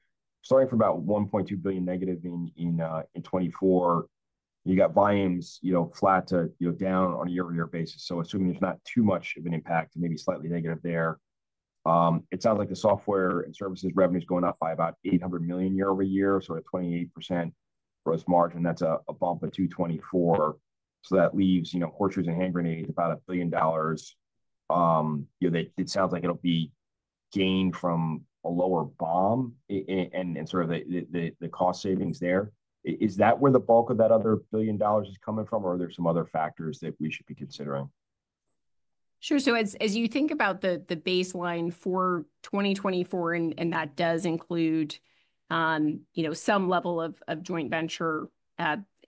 [SPEAKER 10] starting from about negative $1.2 billion in 2024, you got volumes flat to down on a year-over-year basis, so assuming there's not too much of an impact, maybe slightly negative there. It sounds like the software and services revenue is going up by about $800 million year-over-year, sort of 28% gross margin. That's a bump of 224. So that leaves horseshoes and hand grenades about $1 billion. It sounds like it'll be gained from a lower BOM and sort of the cost savings there. Is that where the bulk of that other billion dollars is coming from, or are there some other factors that we should be considering?
[SPEAKER 4] Sure, so as you think about the baseline for 2024, and that does include some level of joint venture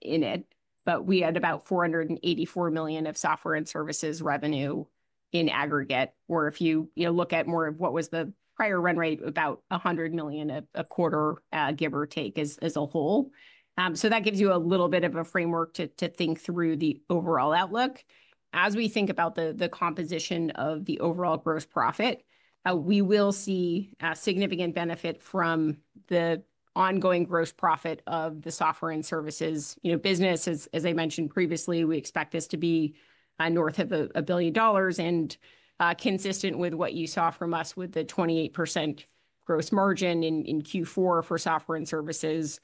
[SPEAKER 4] in it, but we had about $484 million of software and services revenue in aggregate. Or if you look at more of what was the prior run rate, about $100 million a quarter, give or take as a whole, so that gives you a little bit of a framework to think through the overall outlook. As we think about the composition of the overall gross profit, we will see significant benefit from the ongoing gross profit of the software and services business. As I mentioned previously, we expect this to be north of $1 billion and consistent with what you saw from us with the 28% gross margin in Q4 for software and services.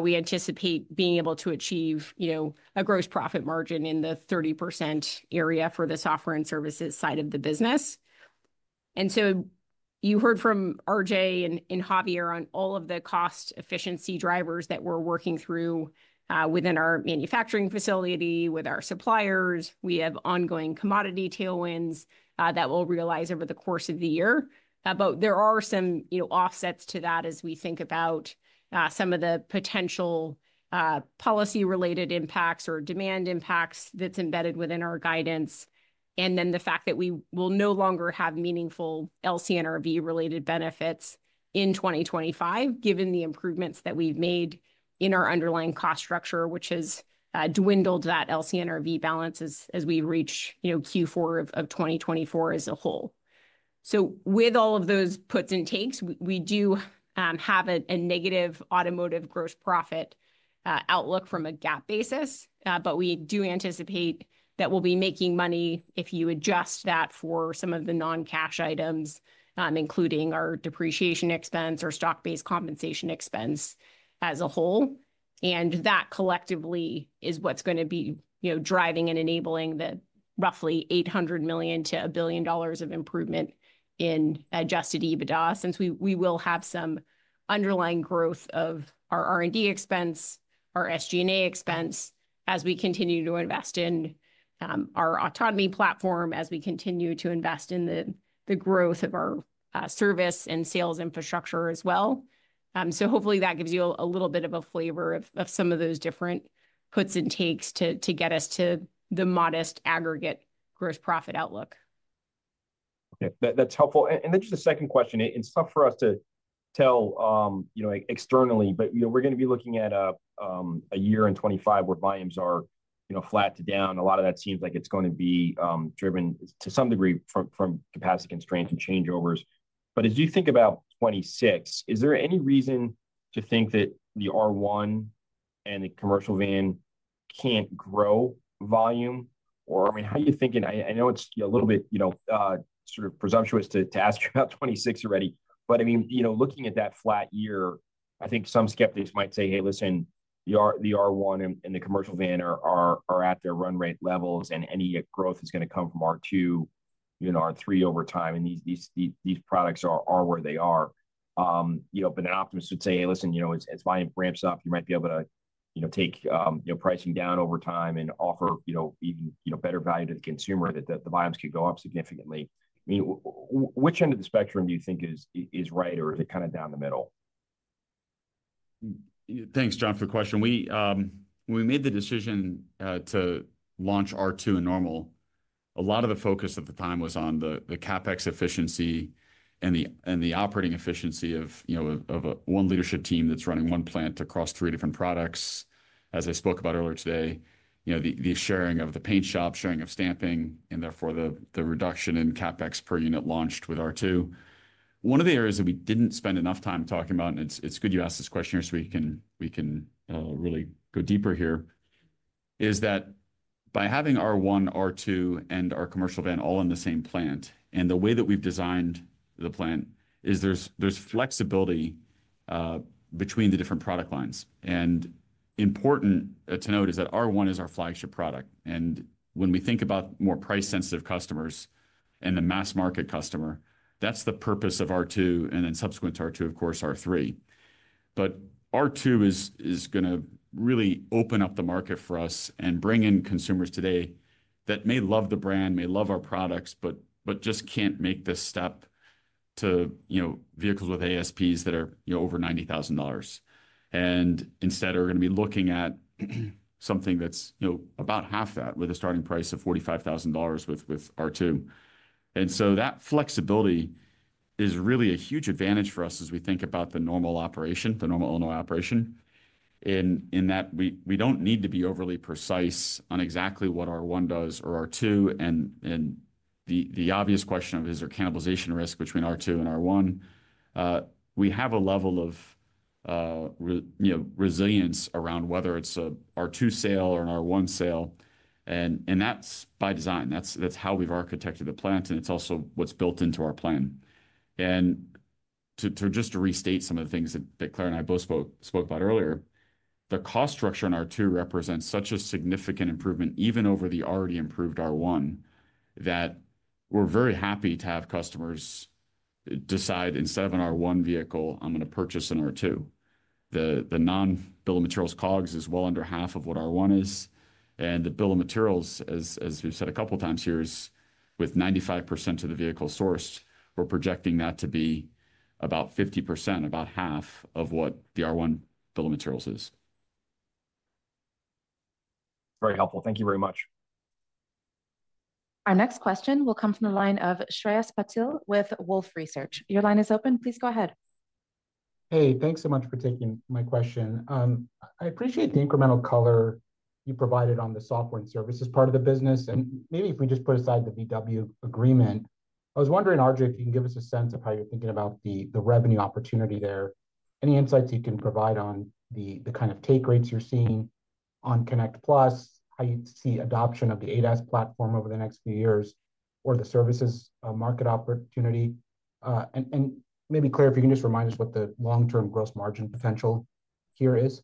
[SPEAKER 4] We anticipate being able to achieve a gross profit margin in the 30% area for the software and services side of the business. And so you heard from RJ and Javier on all of the cost efficiency drivers that we're working through within our manufacturing facility with our suppliers. We have ongoing commodity tailwinds that we'll realize over the course of the year. But there are some offsets to that as we think about some of the potential policy-related impacts or demand impacts that's embedded within our guidance. And then the fact that we will no longer have meaningful LCNRV-related benefits in 2025, given the improvements that we've made in our underlying cost structure, which has dwindled that LCNRV balance as we reach Q4 of 2024 as a whole. With all of those puts and takes, we do have a negative automotive gross profit outlook from a GAAP basis, but we do anticipate that we'll be making money if you adjust that for some of the non-cash items, including our depreciation expense or stock-based compensation expense as a whole. That collectively is what's going to be driving and enabling the roughly $800 million-$1 billion of improvement in Adjusted EBITDA since we will have some underlying growth of our R&D expense, our SG&A expense as we continue to invest in our autonomy platform, as we continue to invest in the growth of our service and sales infrastructure as well. Hopefully that gives you a little bit of a flavor of some of those different puts and takes to get us to the modest aggregate gross profit outlook.
[SPEAKER 10] Okay. That's helpful. And then just a second question. It's tough for us to tell externally, but we're going to be looking at a year in 2025 where volumes are flat to down. A lot of that seems like it's going to be driven to some degree from capacity constraints and changeovers. But as you think about 2026, is there any reason to think that the R1 and the commercial van can't grow volume? Or I mean, how are you thinking? I know it's a little bit sort of presumptuous to ask you about 2026 already. But I mean, looking at that flat year, I think some skeptics might say, "Hey, listen, the R1 and the commercial van are at their run rate levels, and any growth is going to come from R2 and R3 over time. These products are where they are." But an optimist would say, "Hey, listen, as volume ramps up, you might be able to take pricing down over time and offer even better value to the consumer that the volumes could go up significantly." Which end of the spectrum do you think is right, or is it kind of down the middle?
[SPEAKER 3] Thanks, John, for the question. When we made the decision to launch R2 in Normal, a lot of the focus at the time was on the CapEx efficiency and the operating efficiency of one leadership team that's running one plant across three different products. As I spoke about earlier today, the sharing of the paint shop, sharing of stamping, and therefore the reduction in CapEx per unit launched with R2. One of the areas that we didn't spend enough time talking about, and it's good you asked this question here so we can really go deeper here, is that by having R1, R2, and our Commercial Van all in the same plant, and the way that we've designed the plant is there's flexibility between the different product lines. And important to note is that R1 is our flagship product. And when we think about more price-sensitive customers and the mass market customer, that's the purpose of R2 and then subsequent to R2, of course, R3. But R2 is going to really open up the market for us and bring in consumers today that may love the brand, may love our products, but just can't make the step to vehicles with ASPs that are over $90,000. And instead, we're going to be looking at something that's about half that with a starting price of $45,000 with R2. And so that flexibility is really a huge advantage for us as we think about the Normal operation, the Normal, Illinois operation, in that we don't need to be overly precise on exactly what R1 does or R2. And the obvious question of is there cannibalization risk between R2 and R1? We have a level of resilience around whether it's an R2 sale or an R1 sale. And that's by design. That's how we've architected the plant. And it's also what's built into our plan. And to just restate some of the things that Claire and I both spoke about earlier, the cost structure on R2 represents such a significant improvement even over the already improved R1 that we're very happy to have customers decide instead of an R1 vehicle, "I'm going to purchase an R2." The non-bill-of-materials COGS is well under half of what R1 is. And the bill of materials, as we've said a couple of times here, is with 95% of the vehicle sourced. We're projecting that to be about 50%, about half of what the R1 bill of materials is.
[SPEAKER 1] Very helpful. Thank you very much. Our next question will come from the line of Shreyas Patil with Wolfe Research. Your line is open. Please go ahead.
[SPEAKER 11] Hey, thanks so much for taking my question. I appreciate the incremental color you provided on the software and services part of the business. And maybe if we just put aside the VW agreement, I was wondering, RJ, if you can give us a sense of how you're thinking about the revenue opportunity there. Any insights you can provide on the kind of take rates you're seeing on Connect Plus, how you see adoption of the ADAS platform over the next few years, or the services market opportunity? And maybe, Claire, if you can just remind us what the long-term gross margin potential here is.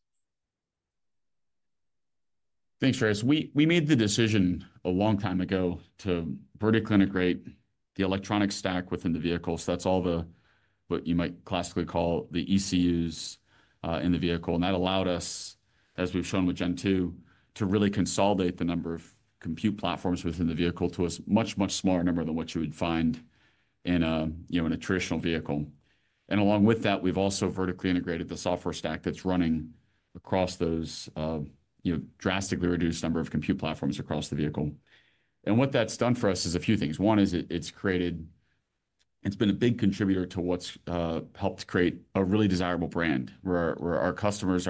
[SPEAKER 3] Thanks, Shreyas. We made the decision a long time ago to vertically integrate the electronic stack within the vehicles. That's all what you might classically call the ECUs in the vehicle. And that allowed us, as we've shown with Gen 2, to really consolidate the number of compute platforms within the vehicle to a much, much smaller number than what you would find in a traditional vehicle. And along with that, we've also vertically integrated the software stack that's running across those drastically reduced number of compute platforms across the vehicle. And what that's done for us is a few things. One is it's created, it's been a big contributor to what's helped create a really desirable brand where our customers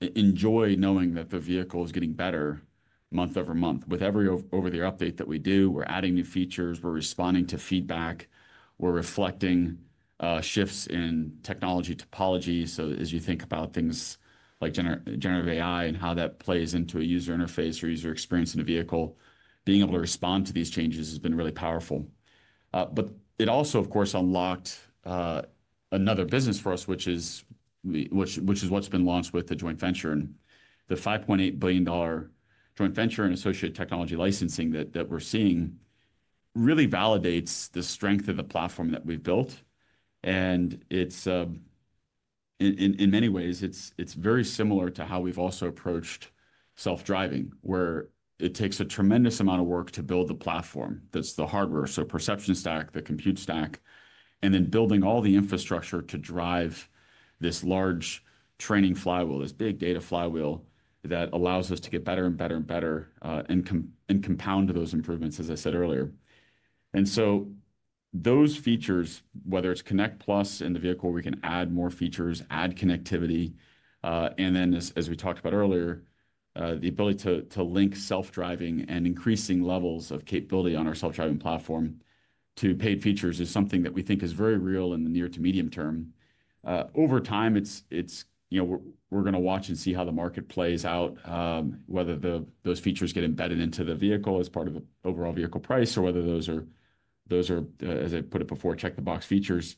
[SPEAKER 3] enjoy knowing that the vehicle is getting better month over month. With every over-the-air update that we do, we're adding new features, we're responding to feedback, we're reflecting shifts in technology topology. As you think about things like generative AI and how that plays into a user interface or user experience in a vehicle, being able to respond to these changes has been really powerful. It also, of course, unlocked another business for us, which is what's been launched with the joint venture. The $5.8 billion joint venture and associated technology licensing that we're seeing really validates the strength of the platform that we've built. In many ways, it's very similar to how we've also approached self-driving, where it takes a tremendous amount of work to build the platform. That's the hardware, so perception stack, the compute stack, and then building all the infrastructure to drive this large training flywheel, this big data flywheel that allows us to get better and better and better and compound those improvements, as I said earlier. And so those features, whether it's Connect Plus in the vehicle, we can add more features, add connectivity. And then, as we talked about earlier, the ability to link self-driving and increasing levels of capability on our self-driving platform to paid features is something that we think is very real in the near to medium term. Over time, we're going to watch and see how the market plays out, whether those features get embedded into the vehicle as part of the overall vehicle price, or whether those are, as I put it before, check-the-box features.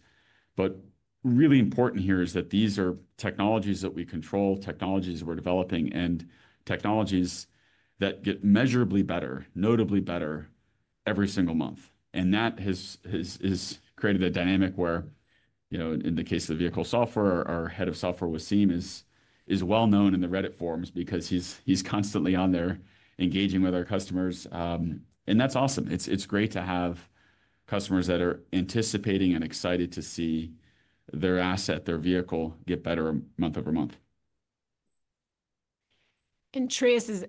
[SPEAKER 3] But really important here is that these are technologies that we control, technologies we're developing, and technologies that get measurably better, notably better every single month. And that has created a dynamic where, in the case of the vehicle software, our head of software, Wassim, is well known in the Reddit forums because he's constantly on there engaging with our customers. And that's awesome. It's great to have customers that are anticipating and excited to see their asset, their vehicle get better month over month.
[SPEAKER 4] And Shreyas,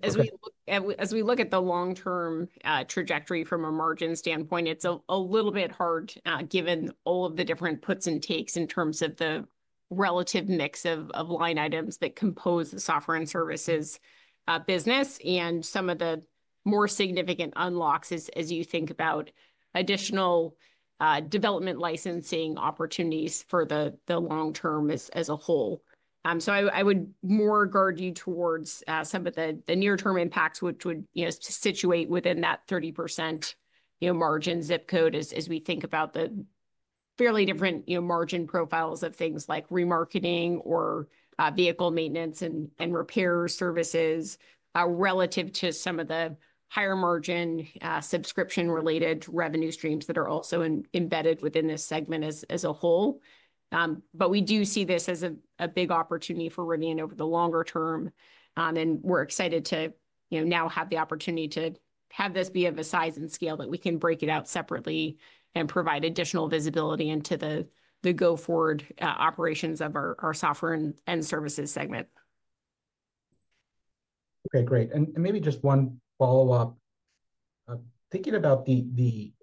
[SPEAKER 4] as we look at the long-term trajectory from a margin standpoint, it's a little bit hard given all of the different puts and takes in terms of the relative mix of line items that compose the software and services business and some of the more significant unlocks as you think about additional development licensing opportunities for the long term as a whole. So I would guide you towards some of the near-term impacts, which would situate within that 30% margin zip code as we think about the fairly different margin profiles of things like remarketing or vehicle maintenance and repair services relative to some of the higher margin subscription-related revenue streams that are also embedded within this segment as a whole. But we do see this as a big opportunity for Rivian over the longer term. And we're excited to now have the opportunity to have this be of a size and scale that we can break it out separately and provide additional visibility into the go-forward operations of our software and services segment.
[SPEAKER 11] Okay, great. And maybe just one follow-up. Thinking about the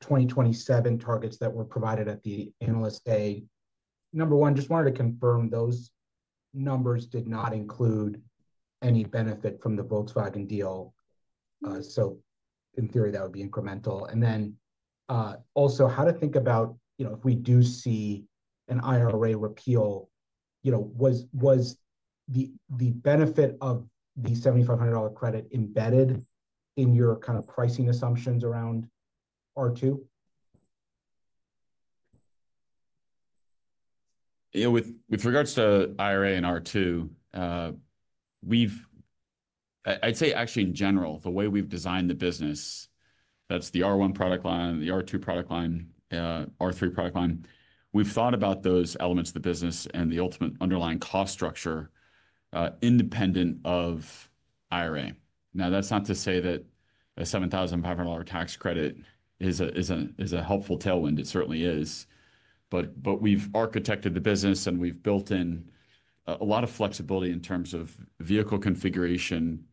[SPEAKER 11] 2027 targets that were provided at the Analyst Day, number one, just wanted to confirm those numbers did not include any benefit from the Volkswagen deal. So in theory, that would be incremental. And then also how to think about if we do see an IRA repeal, was the benefit of the $7,500 credit embedded in your kind of pricing assumptions around R2?
[SPEAKER 3] With regards to IRA and R2, I'd say actually in general, the way we've designed the business, that's the R1 product line, the R2 product line, R3 product line. We've thought about those elements of the business and the ultimate underlying cost structure independent of IRA. Now, that's not to say that a $7,500 tax credit is a helpful tailwind. It certainly is. But we've architected the business and we've built in a lot of flexibility in terms of vehicle configuration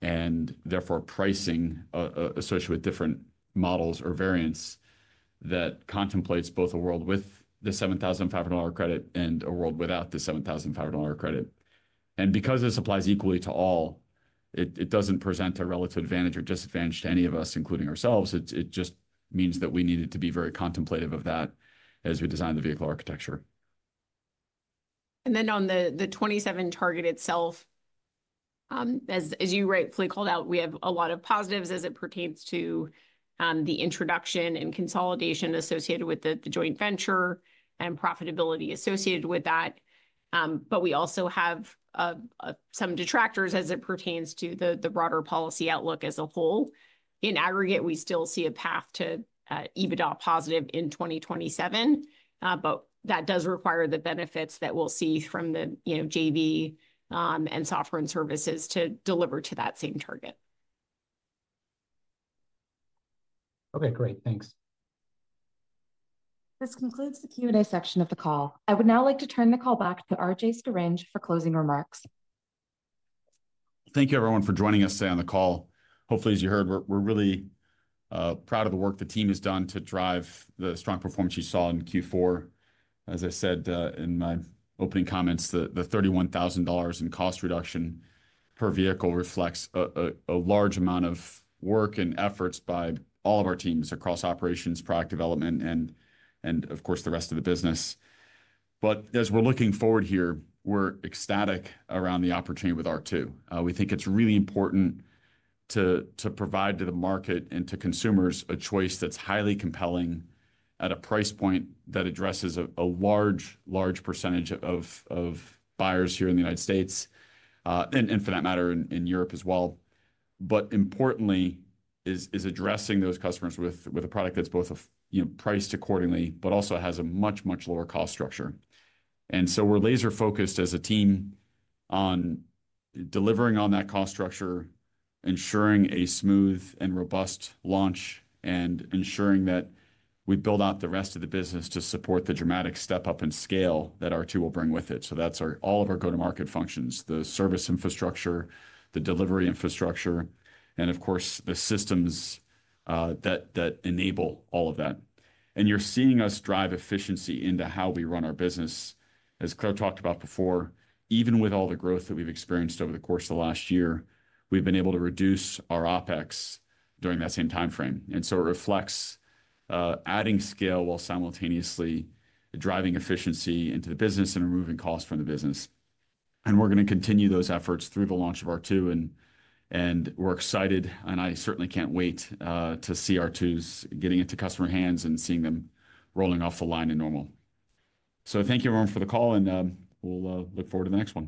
[SPEAKER 3] and therefore pricing associated with different models or variants that contemplates both a world with the $7,500 credit and a world without the $7,500 credit. Because it applies equally to all, it doesn't present a relative advantage or disadvantage to any of us, including ourselves. It just means that we needed to be very contemplative of that as we designed the vehicle architecture.
[SPEAKER 4] Then on the 2027 target itself, as you rightfully called out, we have a lot of positives as it pertains to the introduction and consolidation associated with the joint venture and profitability associated with that. We also have some detractors as it pertains to the broader policy outlook as a whole. In aggregate, we still see a path to EBITDA positive in 2027, but that does require the benefits that we'll see from the JV and software and services to deliver to that same target.
[SPEAKER 11] Okay, great. Thanks.
[SPEAKER 1] This concludes the Q&A section of the call. I would now like to turn the call back to RJ Scaringe for closing remarks.
[SPEAKER 3] Thank you, everyone, for joining us today on the call. Hopefully, as you heard, we're really proud of the work the team has done to drive the strong performance you saw in Q4. As I said in my opening comments, the $31,000 in cost reduction per vehicle reflects a large amount of work and efforts by all of our teams across operations, product development, and of course, the rest of the business. But as we're looking forward here, we're ecstatic around the opportunity with R2. We think it's really important to provide to the market and to consumers a choice that's highly compelling at a price point that addresses a large, large percentage of buyers here in the United States, and for that matter, in Europe as well. But importantly, is addressing those customers with a product that's both priced accordingly, but also has a much, much lower cost structure. And so we're laser-focused as a team on delivering on that cost structure, ensuring a smooth and robust launch, and ensuring that we build out the rest of the business to support the dramatic step-up in scale that R2 will bring with it. So that's all of our go-to-market functions, the service infrastructure, the delivery infrastructure, and of course, the systems that enable all of that. And you're seeing us drive efficiency into how we run our business. As Claire talked about before, even with all the growth that we've experienced over the course of the last year, we've been able to reduce our OPEX during that same timeframe. And so it reflects adding scale while simultaneously driving efficiency into the business and removing costs from the business. And we're going to continue those efforts through the launch of R2. And we're excited, and I certainly can't wait to see R2s getting into customer hands and seeing them rolling off the line in Normal. So thank you, everyone, for the call, and we'll look forward to the next one.